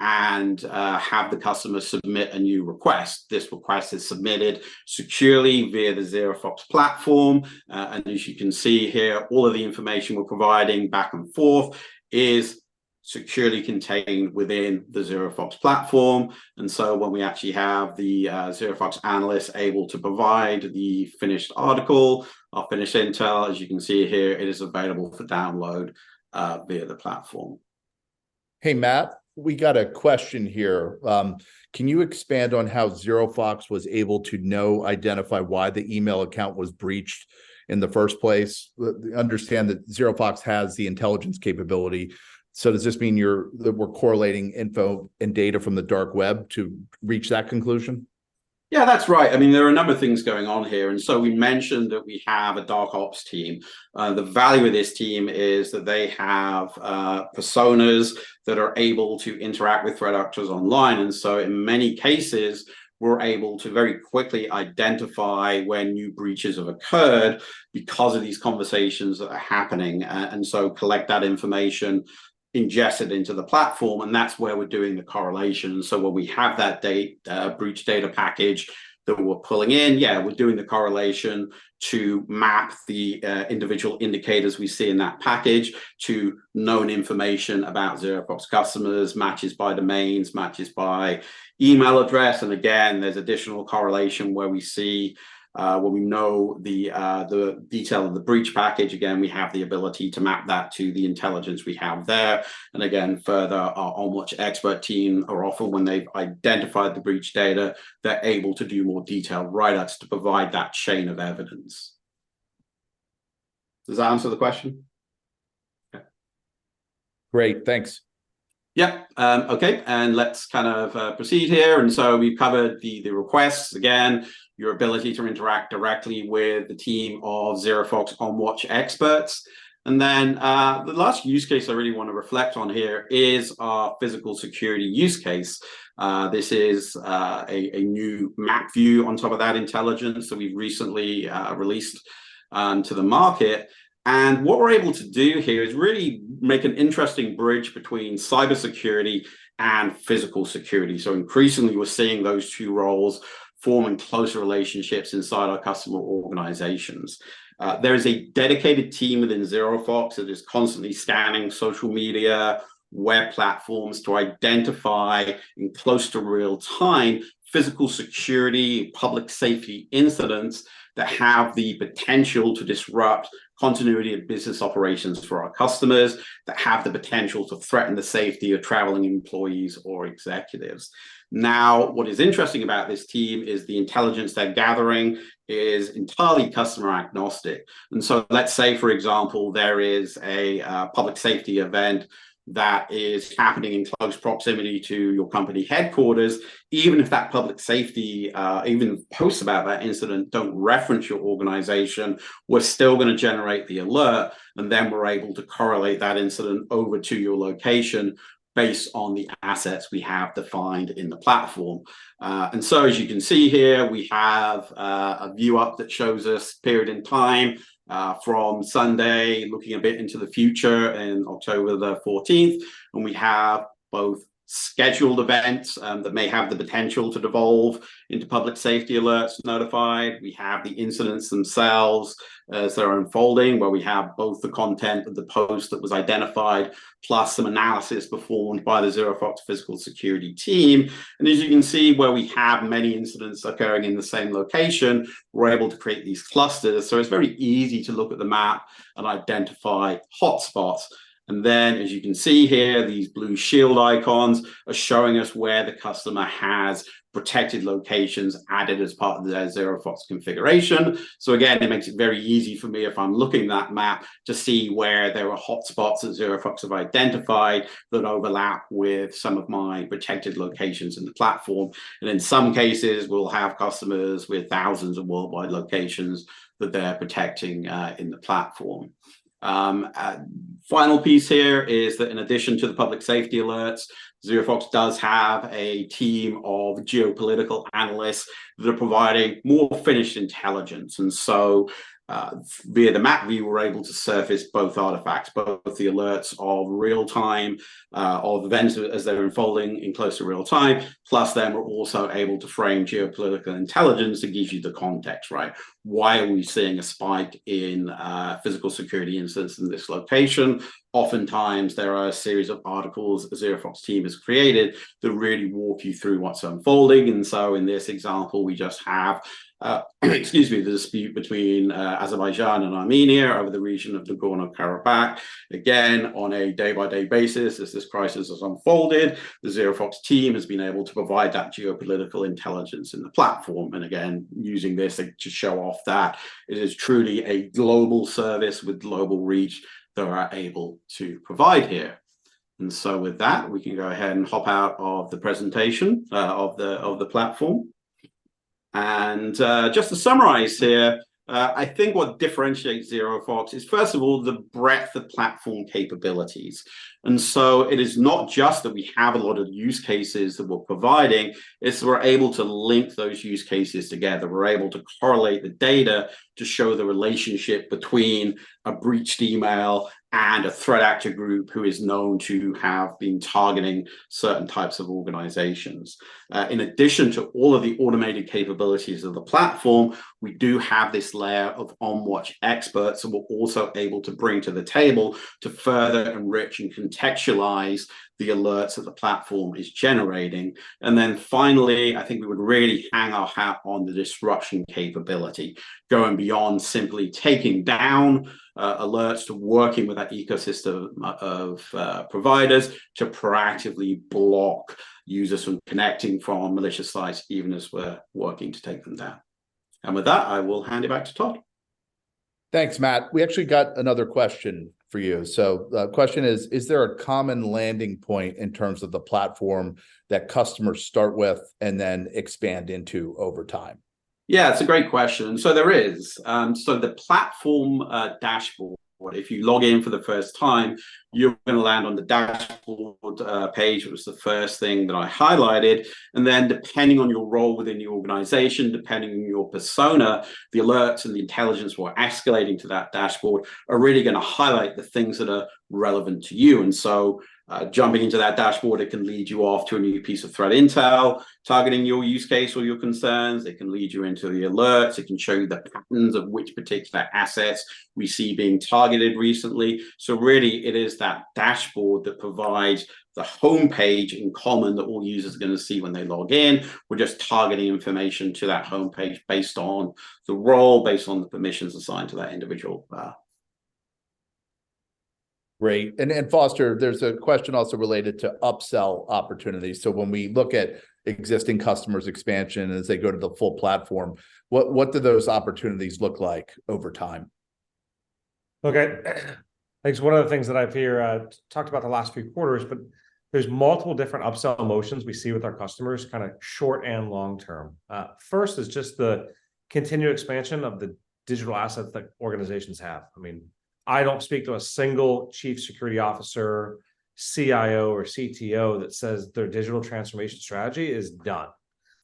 and have the customer submit a new request. This request is submitted securely via the ZeroFox platform. As you can see here, all of the information we're providing back and forth is securely contained within the ZeroFox platform. So when we actually have the ZeroFox analyst able to provide the finished article or finished intel, as you can see here, it is available for download via the platform. Hey, Matt, we got a question here. Can you expand on how ZeroFox was able to know, identify why the email account was breached in the first place? We understand that ZeroFox has the intelligence capability, so does this mean you're... That we're correlating info and data from the dark web to reach that conclusion? Yeah, that's right. I mean, there are a number of things going on here, and so we mentioned that we have a dark ops team. The value of this team is that they have personas that are able to interact with threat actors online. And so in many cases, we're able to very quickly identify when new breaches have occurred because of these conversations that are happening and so collect that information, ingest it into the platform, and that's where we're doing the correlation. So when we have that breach data package that we're pulling in, yeah, we're doing the correlation to map the individual indicators we see in that package to known information about ZeroFox customers, matches by domains, matches by email address. And again, there's additional correlation where we see, when we know the detail of the breach package, again, we have the ability to map that to the intelligence we have there. And again, further, our OnWatch expert team are often when they've identified the breach data, they're able to do more detailed write-ups to provide that chain of evidence. Does that answer the question? Yeah. Great, thanks. Yeah. Okay, and let's kind of proceed here. And so we've covered the requests, again, your ability to interact directly with the team of ZeroFox OnWatch experts. And then the last use case I really want to reflect on here is our physical security use case. This is a new map view on top of that intelligence that we've recently released to the market. And what we're able to do here is really make an interesting bridge between cybersecurity and physical security. So increasingly, we're seeing those two roles forming closer relationships inside our customer organizations. There is a dedicated team within ZeroFox that is constantly scanning social media, web platforms to identify in close to real time, physical security, public safety incidents that have the potential to disrupt continuity of business operations for our customers, that have the potential to threaten the safety of traveling employees or executives. Now, what is interesting about this team is the intelligence they're gathering is entirely customer agnostic. And so let's say, for example, there is a public safety event that is happening in close proximity to your company headquarters. Even if that public safety, even posts about that incident, don't reference your organization, we're still gonna generate the alert, and then we're able to correlate that incident over to your location based on the assets we have defined in the platform. And so as you can see here, we have a view up that shows this period in time from Sunday, looking a bit into the future in October 14. And we have both scheduled events that may have the potential to devolve into public safety alerts notified. We have the incidents themselves as they are unfolding, where we have both the content of the post that was identified, plus some analysis performed by the ZeroFox Physical Security team. And as you can see, where we have many incidents occurring in the same location, we're able to create these clusters. So it's very easy to look at the map and identify hotspots. And then, as you can see here, these blue shield icons are showing us where the customer has protected locations added as part of their ZeroFox configuration. So again, it makes it very easy for me, if I'm looking at that map, to see where there are hotspots that ZeroFox have identified that overlap with some of my protected locations in the platform. And in some cases, we'll have customers with thousands of worldwide locations that they're protecting in the platform. Final piece here is that in addition to the public safety alerts, ZeroFox does have a team of geopolitical analysts that are providing more finished intelligence. And so, via the map view, we're able to surface both artifacts, both the alerts of real time, of events as they're unfolding in close to real time, plus then we're also able to frame geopolitical intelligence that gives you the context, right? Why are we seeing a spike in physical security incidents in this location? Oftentimes, there are a series of articles the ZeroFox team has created that really walk you through what's unfolding. So in this example, we just have the dispute between Azerbaijan and Armenia over the region of Nagorno-Karabakh. Again, on a day-by-day basis, as this crisis has unfolded, the ZeroFox team has been able to provide that geopolitical intelligence in the platform. And again, using this to show off that it is truly a global service with global reach that we are able to provide here. So with that, we can go ahead and hop out of the presentation of the platform. Just to summarize here, I think what differentiates ZeroFox is, first of all, the breadth of platform capabilities. It is not just that we have a lot of use cases that we're providing, it's that we're able to link those use cases together. We're able to correlate the data to show the relationship between a breached email and a threat actor group who is known to have been targeting certain types of organizations. In addition to all of the automated capabilities of the platform, we do have this layer of OnWatch experts, who we're also able to bring to the table to further enrich and contextualize the alerts that the platform is generating. Finally, I think we would really hang our hat on the disruption capability, going beyond simply taking down alerts, to working with that ecosystem of providers to proactively block users from connecting from malicious sites, even as we're working to take them down. With that, I will hand it back to Todd. Thanks, Matt. We actually got another question for you. So the question is: Is there a common landing point in terms of the platform that customers start with and then expand into over time? Yeah, it's a great question. So there is. So the platform, dashboard, if you log in for the first time, you're gonna land on the dashboard, page. It was the first thing that I highlighted. And then depending on your role within the organization, depending on your persona, the alerts and the intelligence we're escalating to that dashboard are really gonna highlight the things that are relevant to you. And so, jumping into that dashboard, it can lead you off to a new piece of threat intel, targeting your use case or your concerns. It can lead you into the alerts. It can show you the patterns of which particular assets we see being targeted recently. So really it is that dashboard that provides the homepage in common that all users are gonna see when they log in. We're just targeting information to that homepage based on the role, based on the permissions assigned to that individual. Great. And Foster, there's a question also related to upsell opportunities. So when we look at existing customers' expansion as they go to the full platform, what do those opportunities look like over time? Okay. I think one of the things that I've talked about the last few quarters, but there's multiple different upsell motions we see with our customers, kind of short and long term. First is just the continued expansion of the digital assets that organizations have. I mean, I don't speak to a single chief security officer, CIO, or CTO that says their digital transformation strategy is done.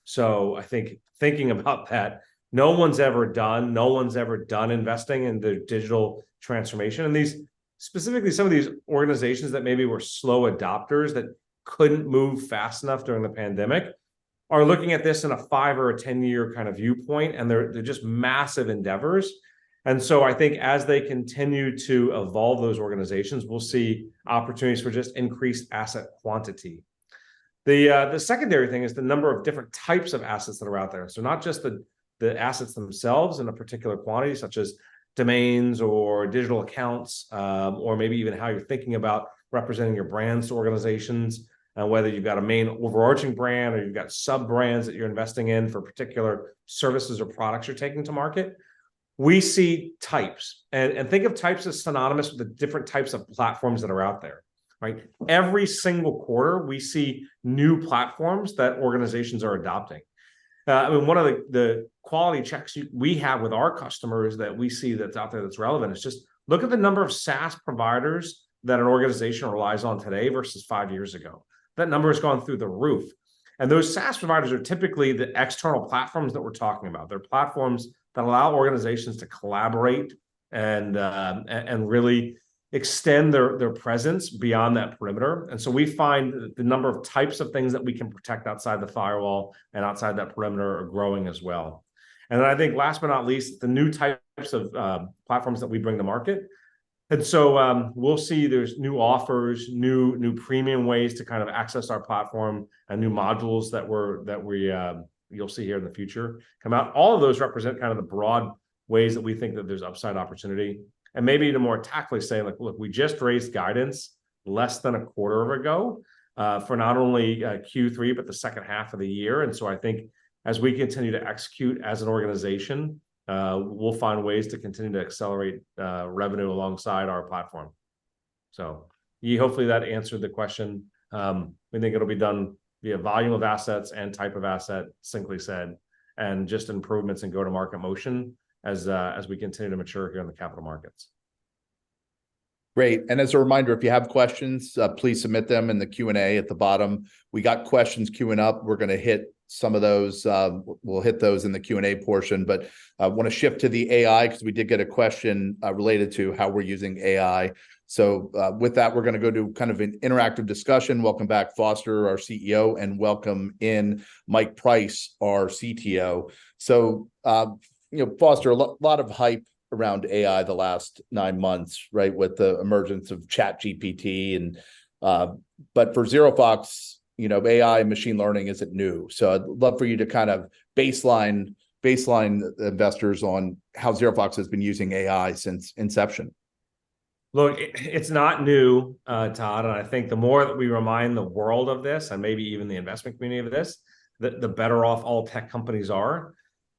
So I think, thinking about that, no one's ever done, no one's ever done investing in the digital transformation. And these specifically, some of these organizations that maybe were slow adopters, that couldn't move fast enough during the pandemic, are looking at this in a five- or 10-year kind of viewpoint, and they're just massive endeavors. And so I think as they continue to evolve those organizations, we'll see opportunities for just increased asset quantity. The secondary thing is the number of different types of assets that are out there. So not just the assets themselves in a particular quantity, such as domains or digital accounts, or maybe even how you're thinking about representing your brands to organizations, whether you've got a main overarching brand or you've got sub-brands that you're investing in for particular services or products you're taking to market. We see types, and think of types as synonymous with the different types of platforms that are out there, right? Every single quarter, we see new platforms that organizations are adopting. I mean, one of the quality checks we have with our customers that we see that's out there that's relevant, is just look at the number of SaaS providers that an organization relies on today versus five years ago. That number has gone through the roof, and those SaaS providers are typically the external platforms that we're talking about. They're platforms that allow organizations to collaborate and really extend their presence beyond that perimeter. And so we find the number of types of things that we can protect outside the firewall and outside that perimeter are growing as well. And then I think last but not least, the new types of platforms that we bring to market. And so we'll see there's new offers, new premium ways to kind of access our platform, and new modules that you'll see here in the future come out. All of those represent kind of the broad ways that we think that there's upside opportunity. Maybe even more tactfully say, like, "Look, we just raised guidance less than a quarter ago, for not only Q3, but the second half of the year." So I think as we continue to execute as an organization, we'll find ways to continue to accelerate revenue alongside our platform. So, hopefully that answered the question. We think it'll be done via volume of assets and type of asset, simply said, and just improvements in go-to-market motion as we continue to mature here in the capital markets. Great. And as a reminder, if you have questions, please submit them in the Q&A at the bottom. We got questions queuing up. We're gonna hit some of those, we'll hit those in the Q&A portion. But, I wanna shift to the AI, 'cause we did get a question, related to how we're using AI. So, with that, we're gonna go to kind of an interactive discussion. Welcome back, Foster, our CEO, and welcome in Mike Price, our CTO. So, you know, Foster, a lot of hype around AI the last nine months, right, with the emergence of ChatGPT and... But for ZeroFox, you know, AI and machine learning isn't new. So I'd love for you to kind of baseline the investors on how ZeroFox has been using AI since inception. Look, it's not new, Todd, and I think the more that we remind the world of this, and maybe even the investment community of this, the better off all tech companies are.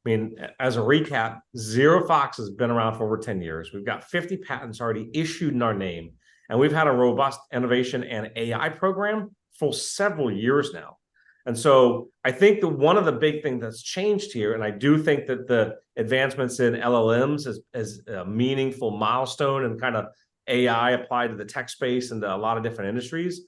I mean, as a recap, ZeroFox has been around for over 10 years. We've got 50 patents already issued in our name, and we've had a robust innovation and AI program for several years now. And so I think that one of the big things that's changed here, and I do think that the advancements in LLMs is a meaningful milestone and kind of AI applied to the tech space and a lot of different industries,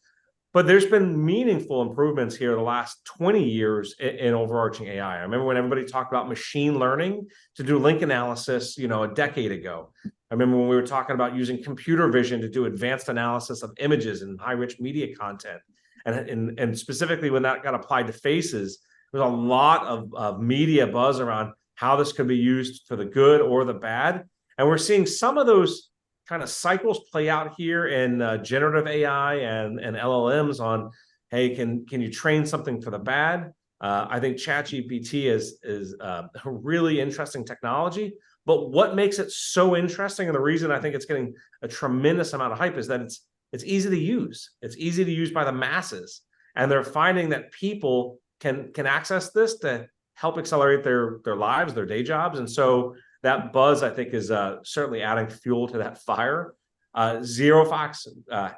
but there's been meaningful improvements here the last 20 years in overarching AI. I remember when everybody talked about machine learning to do link analysis, you know, a decade ago. I remember when we were talking about using computer vision to do advanced analysis of images and high-risk media content, and specifically when that got applied to faces, there was a lot of media buzz around how this could be used for the good or the bad. And we're seeing some of those kind of cycles play out here in generative AI and LLMs on, "Hey, can you train something for the bad?" I think ChatGPT is a really interesting technology, but what makes it so interesting, and the reason I think it's getting a tremendous amount of hype, is that it's easy to use. It's easy to use by the masses, and they're finding that people can access this to help accelerate their lives, their day jobs. So that buzz, I think, is certainly adding fuel to that fire. ZeroFox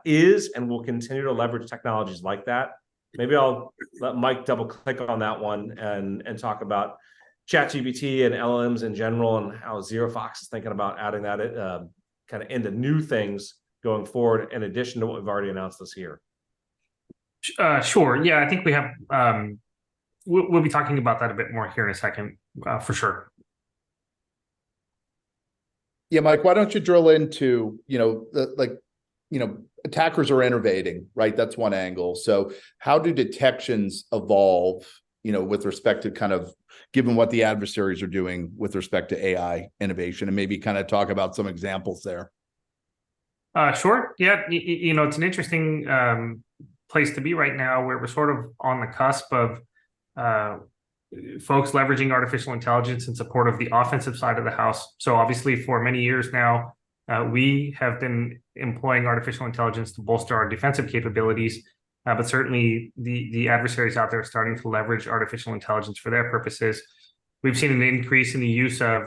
is and will continue to leverage technologies like that. Maybe I'll let Mike double-click on that one and talk about ChatGPT and LLMs in general, and how ZeroFox is thinking about adding that kind of into new things going forward, in addition to what we've already announced this year. Sure. Yeah, I think we have... We'll, we'll be talking about that a bit more here in a second, for sure. Yeah, Mike, why don't you drill into, you know, like, you know, attackers are innovating, right? That's one angle. So how do detections evolve, you know, with respect to kind of given what the adversaries are doing with respect to AI innovation, and maybe kind of talk about some examples there? Sure. Yeah, you know, it's an interesting place to be right now, where we're sort of on the cusp of folks leveraging artificial intelligence in support of the offensive side of the house. So obviously, for many years now, we have been employing artificial intelligence to bolster our defensive capabilities. But certainly, the adversaries out there are starting to leverage artificial intelligence for their purposes. We've seen an increase in the use of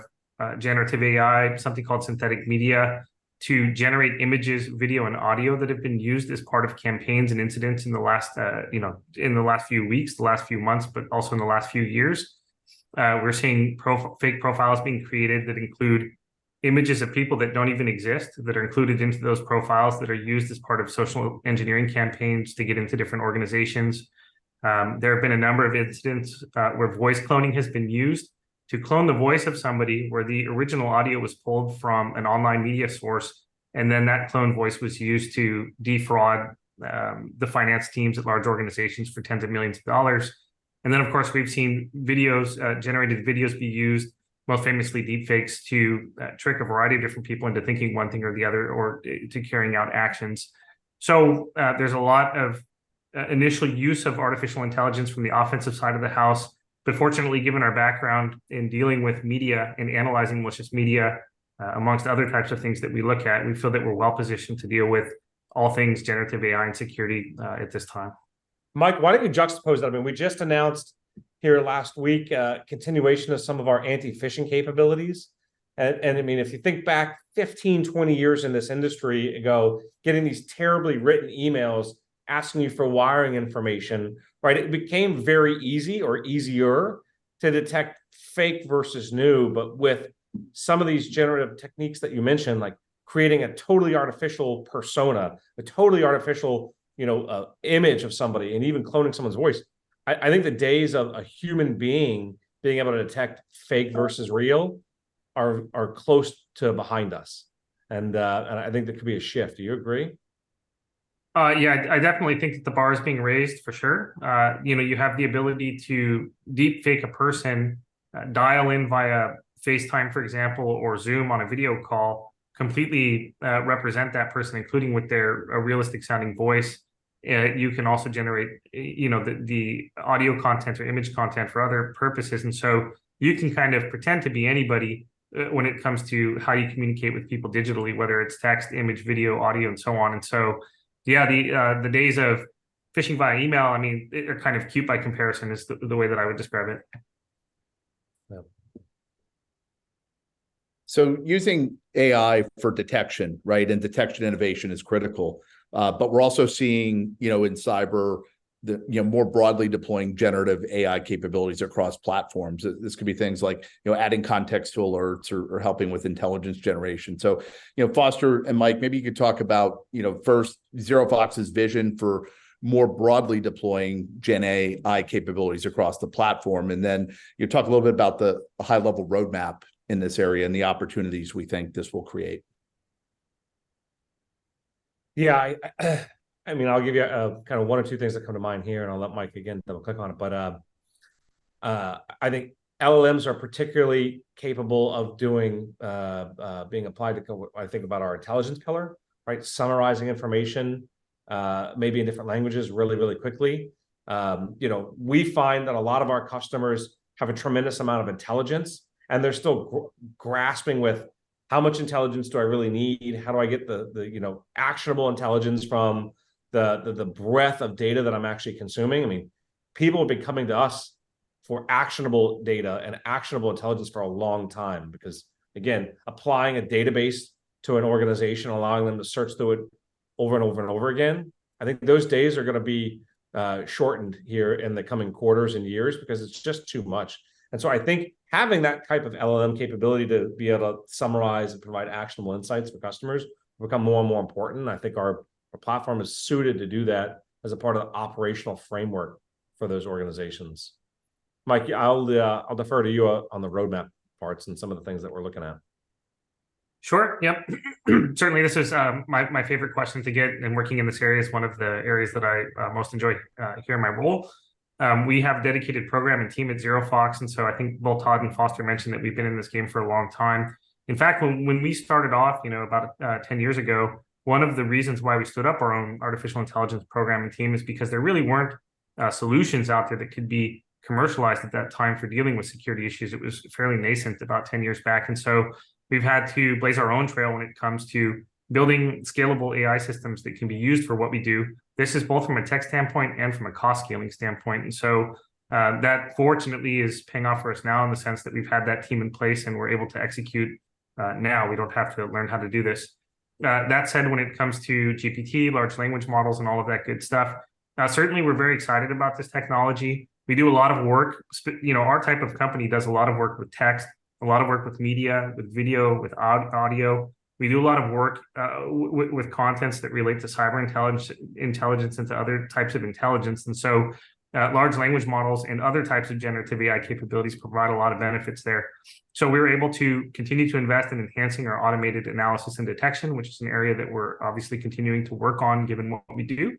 generative AI, something called synthetic media, to generate images, video, and audio that have been used as part of campaigns and incidents in the last, you know, in the last few weeks, the last few months, but also in the last few years. We're seeing fake profiles being created that include images of people that don't even exist, that are included into those profiles, that are used as part of social engineering campaigns to get into different organizations. There have been a number of incidents, where voice cloning has been used to clone the voice of somebody, where the original audio was pulled from an online media source, and then that cloned voice was used to defraud, the finance teams of large organizations for tens of millions of dollars. And then, of course, we've seen videos, generated videos be used, most famously deepfakes, to, trick a variety of different people into thinking one thing or the other, or, to carrying out actions. So, there's a lot of, initial use of artificial intelligence from the offensive side of the house. Fortunately, given our background in dealing with media and analyzing malicious media, among other types of things that we look at, we feel that we're well-positioned to deal with all things generative AI and security, at this time. Mike, why don't you juxtapose that? I mean, we just announced here last week continuation of some of our anti-phishing capabilities. And I mean, if you think back 15, 20 years in this industry ago, getting these terribly written emails asking you for wiring information, right? It became very easy or easier to detect fake versus new. But with some of these generative techniques that you mentioned, like creating a totally artificial persona, a totally artificial, you know, image of somebody, and even cloning someone's voice, I think the days of a human being being able to detect fake versus real are close to behind us. And I think there could be a shift. Do you agree? Yeah. I definitely think that the bar is being raised, for sure. You know, you have the ability to deepfake a person, dial in via FaceTime, for example, or Zoom on a video call, completely represent that person, including with their a realistic-sounding voice. And you can also generate, you know, the audio content or image content for other purposes. And so you can kind of pretend to be anybody, when it comes to how you communicate with people digitally, whether it's text, image, video, audio, and so on. And so, yeah, the days of phishing via email, I mean, they're kind of cute by comparison, is the way that I would describe it. Yeah. So using AI for detection, right? And detection innovation is critical. But we're also seeing, you know, in cyber, the, you know, more broadly deploying generative AI capabilities across platforms. This could be things like, you know, adding context to alerts or, or helping with intelligence generation. So, you know, Foster and Mike, maybe you could talk about, you know, first ZeroFox's vision for more broadly deploying Gen AI capabilities across the platform, and then you talk a little bit about the high-level roadmap in this area and the opportunities we think this will create. Yeah, I mean, I'll give you kind of one or two things that come to mind here, and I'll let Mike again double-click on it. But I think LLMs are particularly capable of doing, being applied to—when I think about our intelligence pillar, right? Summarizing information, maybe in different languages really, really quickly. You know, we find that a lot of our customers have a tremendous amount of intelligence, and they're still grasping with, "How much intelligence do I really need? How do I get the you know actionable intelligence from the breadth of data that I'm actually consuming?" I mean, people have been coming to us for actionable data and actionable intelligence for a long time because, again, applying a database to an organization, allowing them to search through it over and over and over again, I think those days are gonna be shortened here in the coming quarters and years because it's just too much. So I think having that type of LLM capability to be able to summarize and provide actionable insights for customers will become more and more important, and I think our platform is suited to do that as a part of the operational framework for those organizations. Mike, I'll defer to you on the roadmap parts and some of the things that we're looking at. Sure. Yep. Certainly, this is my favorite question to get, and working in this area is one of the areas that I most enjoy here in my role. We have a dedicated programming team at ZeroFox, and so I think both Todd and Foster mentioned that we've been in this game for a long time. In fact, when we started off, you know, about 10 years ago, one of the reasons why we stood up our own artificial intelligence programming team is because there really weren't solutions out there that could be commercialized at that time for dealing with security issues. It was fairly nascent about 10 years back, and so we've had to blaze our own trail when it comes to building scalable AI systems that can be used for what we do. This is both from a tech standpoint and from a cost-scaling standpoint, and so, that fortunately is paying off for us now in the sense that we've had that team in place, and we're able to execute, now. We don't have to learn how to do this. That said, when it comes to GPT, large language models, and all of that good stuff, certainly we're very excited about this technology. We do a lot of work. You know, our type of company does a lot of work with text, a lot of work with media, with video, with audio. We do a lot of work, with, with contents that relate to cyber intelligence and to other types of intelligence, and so, large language models and other types of generative AI capabilities provide a lot of benefits there. So we're able to continue to invest in enhancing our automated analysis and detection, which is an area that we're obviously continuing to work on, given what we do.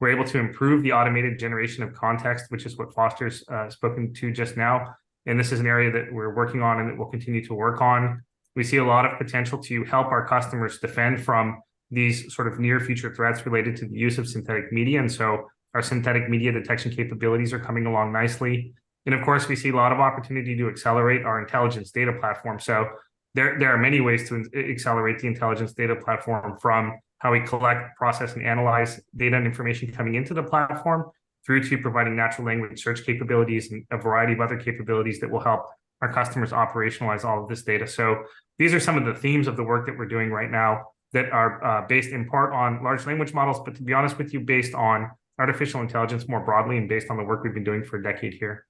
We're able to improve the automated generation of context, which is what Foster's spoken to just now, and this is an area that we're working on and that we'll continue to work on. We see a lot of potential to help our customers defend from these sort of near-future threats related to the use of synthetic media, and so our synthetic media detection capabilities are coming along nicely. Of course, we see a lot of opportunity to accelerate our intelligence data platform. So there are many ways to accelerate the intelligence data platform, from how we collect, process, and analyze data and information coming into the platform, through to providing natural language search capabilities and a variety of other capabilities that will help our customers operationalize all of this data. So these are some of the themes of the work that we're doing right now that are based in part on large language models, but to be honest with you, based on artificial intelligence more broadly and based on the work we've been doing for a decade here.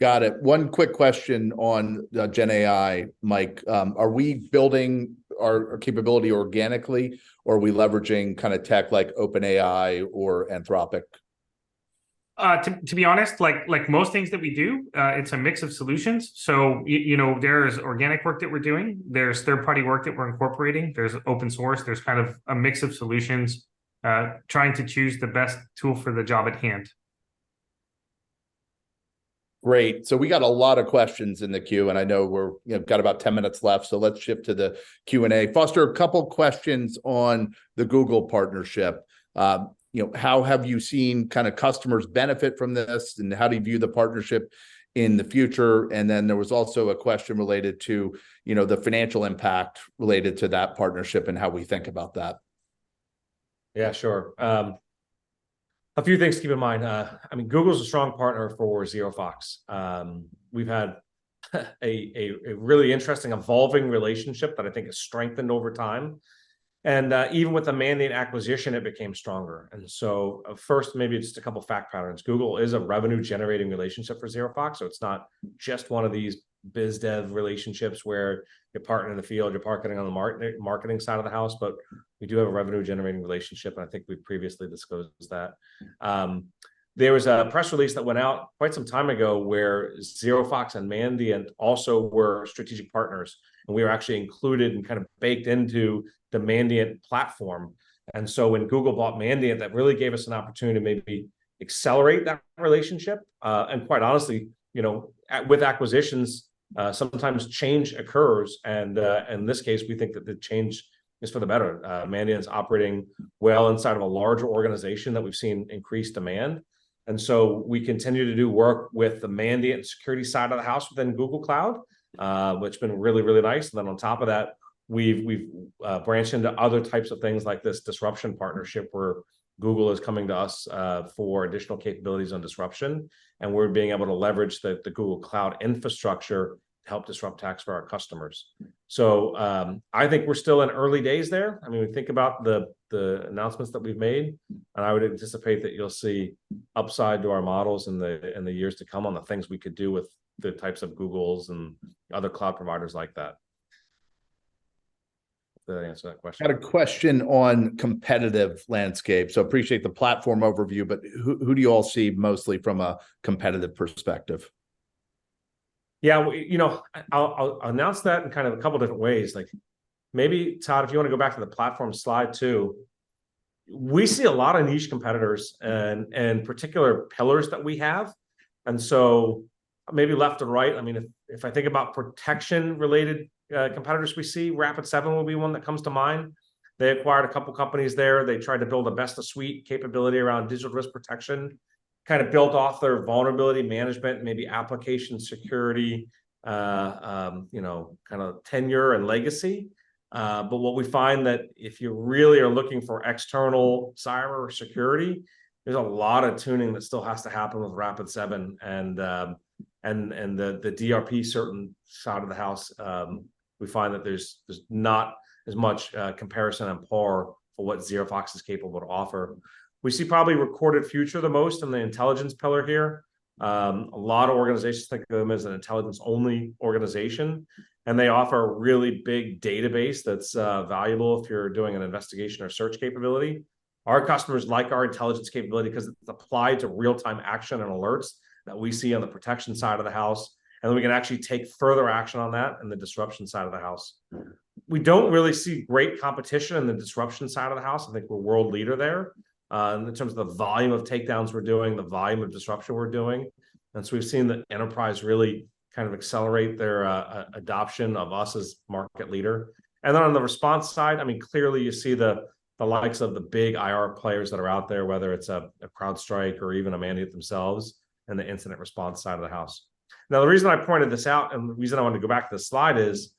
Got it. One quick question on Gen AI, Mike. Are we building our, our capability organically, or are we leveraging kind of tech like OpenAI or Anthropic? To be honest, like most things that we do, it's a mix of solutions. So you know, there's organic work that we're doing, there's third-party work that we're incorporating, there's open source, there's kind of a mix of solutions, trying to choose the best tool for the job at hand. Great. So we got a lot of questions in the queue, and I know we've got about 10 minutes left, so let's shift to the Q&A. Foster, a couple questions on the Google partnership. You know, how have you seen kind of customers benefit from this, and how do you view the partnership in the future? And then there was also a question related to, you know, the financial impact related to that partnership and how we think about that. Yeah, sure. A few things to keep in mind. I mean, Google is a strong partner for ZeroFox. We've had a really interesting, evolving relationship that I think has strengthened over time, and even with the Mandiant acquisition, it became stronger. So, first, maybe just a couple fact patterns. Google is a revenue-generating relationship for ZeroFox, so it's not just one of these biz dev relationships where you're partnering in the field, you're partnering on the marketing side of the house, but we do have a revenue-generating relationship, and I think we've previously disclosed that. There was a press release that went out quite some time ago where ZeroFox and Mandiant also were strategic partners, and we were actually included and kind of baked into the Mandiant platform. So when Google bought Mandiant, that really gave us an opportunity to maybe accelerate that relationship. And quite honestly, you know, with acquisitions, sometimes change occurs, and, in this case, we think that the change is for the better. Mandiant's operating well inside of a larger organization that we've seen increased demand, and so we continue to do work with the Mandiant security side of the house within Google Cloud, which has been really, really nice. And then on top of that, we've branched into other types of things like this disruption partnership, where Google is coming to us for additional capabilities on disruption, and we're being able to leverage the Google Cloud infrastructure to help disrupt attacks for our customers. So, I think we're still in early days there. I mean, we think about the announcements that we've made, and I would anticipate that you'll see upside to our models in the years to come on the things we could do with the types of Google's and other cloud providers like that. Did I answer that question? Got a question on competitive landscape. Appreciate the platform overview, but who, who do you all see mostly from a competitive perspective? Yeah, you know, I'll announce that in kind of a couple different ways. Like, maybe, Todd, if you wanna go back to the platform slide, too. We see a lot of niche competitors in particular pillars that we have, and so maybe left to right, I mean, if I think about protection-related competitors, we see Rapid7 will be one that comes to mind. They acquired a couple companies there. They tried to build a best-of-suite capability around Digital Risk Protection, kind of built off their vulnerability management, maybe application security, you know, kind of tenure and legacy. But what we find that if you really are looking for external cyber security, there's a lot of tuning that still has to happen with Rapid7 and the DRP side of the house, we find that there's not as much comparison and par for what ZeroFox is capable to offer. We see probably Recorded Future the most in the intelligence pillar here. A lot of organizations think of them as an intelligence-only organization, and they offer a really big database that's valuable if you're doing an investigation or search capability. Our customers like our intelligence capability 'cause it's applied to real-time action and alerts that we see on the protection side of the house, and then we can actually take further action on that in the disruption side of the house. We don't really see great competition in the disruption side of the house. I think we're world leader there in terms of the volume of takedowns we're doing, the volume of disruption we're doing, and so we've seen the enterprise really kind of accelerate their adoption of us as market leader. And then on the response side, I mean, clearly you see the likes of the big IR players that are out there, whether it's CrowdStrike or even Mandiant themselves, in the incident response side of the house. Now, the reason I pointed this out and the reason I wanted to go back to this slide is,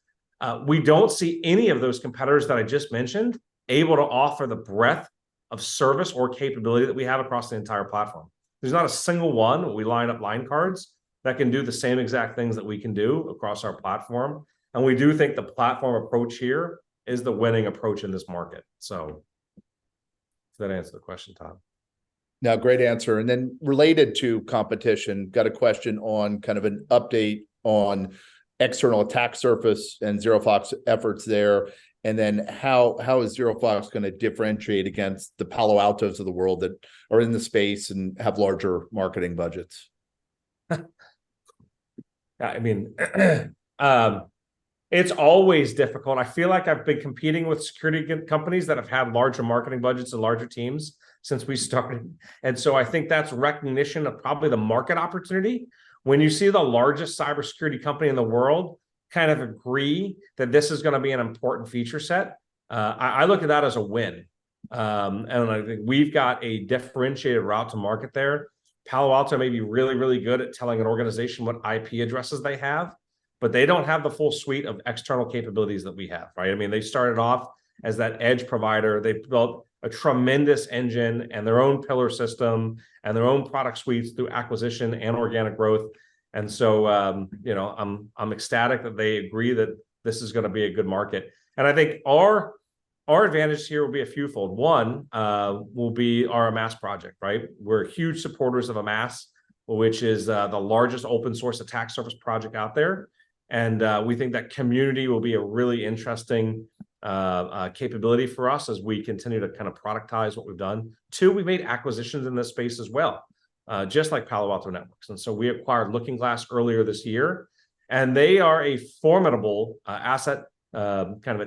we don't see any of those competitors that I just mentioned able to offer the breadth of service or capability that we have across the entire platform. There's not a single one, when we line up line cards, that can do the same exact things that we can do across our platform, and we do think the platform approach here is the winning approach in this market. So does that answer the question, Todd? No, great answer. And then related to competition, got a question on kind of an update on external attack surface and ZeroFox efforts there, and then how, how is ZeroFox gonna differentiate against the Palo Altos of the world that are in the space and have larger marketing budgets? I mean, it's always difficult. I feel like I've been competing with security companies that have had larger marketing budgets and larger teams since we started, and so I think that's recognition of probably the market opportunity. When you see the largest cybersecurity company in the world kind of agree that this is gonna be an important feature set, I look at that as a win. And I think we've got a differentiated route to market there. Palo Alto may be really, really good at telling an organization what IP addresses they have, but they don't have the full suite of external capabilities that we have, right? I mean, they started off as that edge provider. They've built a tremendous engine and their own pillar system and their own product suites through acquisition and organic growth, and so, you know, I'm ecstatic that they agree that this is gonna be a good market. And I think our advantage here will be a fewfold. One, will be our Amass project, right? We're huge supporters of Amass, which is, the largest open source attack surface project out there, and, we think that community will be a really interesting, capability for us as we continue to kind of productize what we've done. Two, we've made acquisitions in this space as well, just like Palo Alto Networks, and so we acquired LookingGlass earlier this year, and they are a formidable, asset, kind of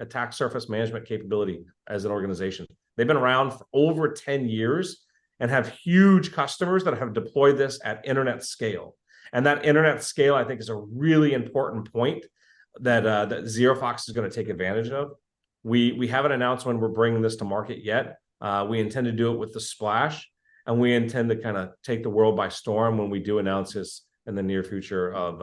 attack surface management capability as an organization. They've been around for over 10 years and have huge customers that have deployed this at internet scale. That internet scale, I think, is a really important point that that ZeroFox is gonna take advantage of. We, we haven't announced when we're bringing this to market yet. We intend to do it with a splash, and we intend to kind of take the world by storm when we do announce this in the near future of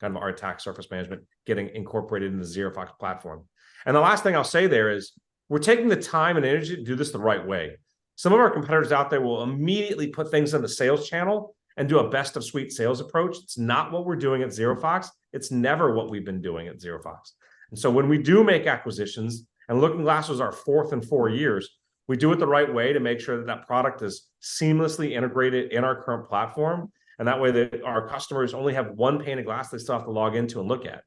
kind of our attack surface management getting incorporated in the ZeroFox platform. The last thing I'll say there is, we're taking the time and energy to do this the right way. Some of our competitors out there will immediately put things in the sales channel and do a best-of-suite sales approach. It's not what we're doing at ZeroFox. It's never what we've been doing at ZeroFox. And so when we do make acquisitions, and LookingGlass was our fourth in four years, we do it the right way to make sure that that product is seamlessly integrated in our current platform, and that way, our customers only have one pane of glass they still have to log in to and look at.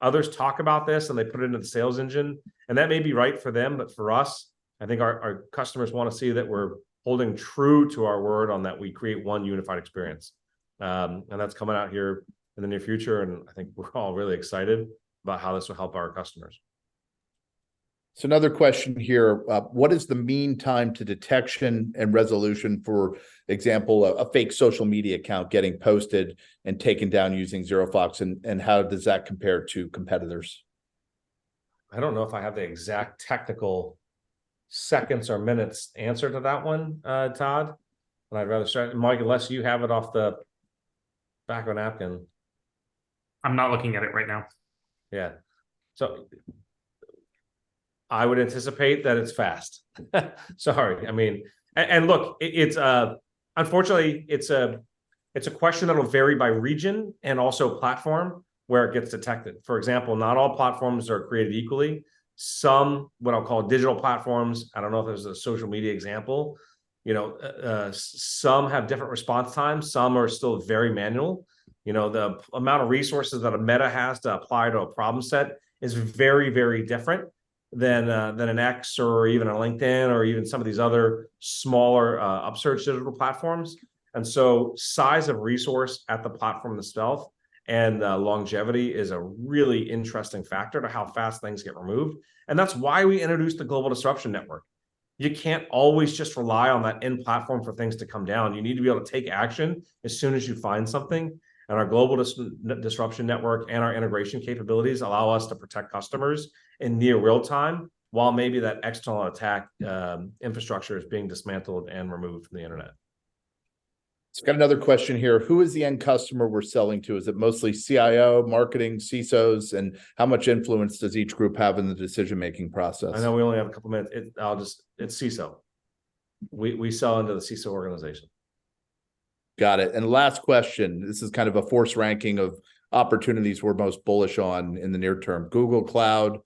Others talk about this, and they put it into the sales engine, and that may be right for them, but for us, I think our customers wanna see that we're holding true to our word on that we create one unified experience. And that's coming out here in the near future, and I think we're all really excited about how this will help our customers. Another question here. What is the mean time to detection and resolution, for example, a fake social media account getting posted and taken down using ZeroFox, and how does that compare to competitors? I don't know if I have the exact technical seconds or minutes answer to that one, Todd, but I'd rather start. Mike, unless you have it off the back on napkin? I'm not looking at it right now. Yeah. So I would anticipate that it's fast. Sorry, I mean, and look, it, it's unfortunately, it's a, it's a question that'll vary by region and also platform where it gets detected. For example, not all platforms are created equally. Some, what I'll call digital platforms, I don't know if there's a social media example, you know, some have different response times, some are still very manual. You know, the amount of resources that a Meta has to apply to a problem set is very, very different than, than an X or even a LinkedIn or even some of these other smaller, upstart digital platforms. And so size of resource at the platform itself and, longevity is a really interesting factor to how fast things get removed, and that's why we introduced the Global Disruption Network. You can't always just rely on that end platform for things to come down. You need to be able to take action as soon as you find something, and our Global Disruption Network and our integration capabilities allow us to protect customers in near real-time, while maybe that external attack infrastructure is being dismantled and removed from the internet. So, got another question here: Who is the end customer we're selling to? Is it mostly CIO, marketing, CISOs? And how much influence does each group have in the decision-making process? I know we only have a couple minutes. It's CISO. We, we sell into the CISO organization. Got it. And last question, this is kind of a forced ranking of opportunities we're most bullish on in the near term: Google Cloud,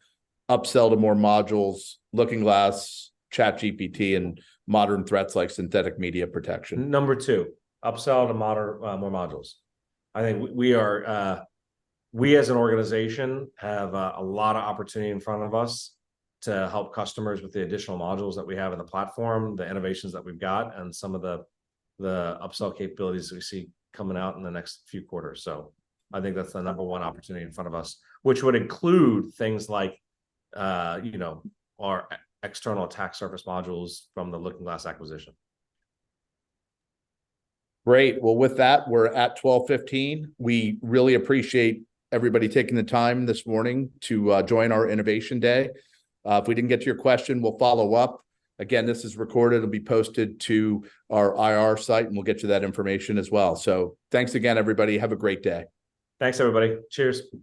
upsell to more modules, LookingGlass, ChatGPT, and modern threats like synthetic media protection. Number two, upsell to more modules. I think we, we are... we as an organization have, a lot of opportunity in front of us to help customers with the additional modules that we have in the platform, the innovations that we've got, and some of the, the upsell capabilities we see coming out in the next few quarters. So I think that's the number one opportunity in front of us, which would include things like, you know, our external attack surface modules from the LookingGlass acquisition. Great! Well, with that, we're at 12:15 P.M. We really appreciate everybody taking the time this morning to join our Innovation Day. If we didn't get to your question, we'll follow up. Again, this is recorded, it'll be posted to our IR site, and we'll get you that information as well. So thanks again, everybody. Have a great day. Thanks, everybody. Cheers.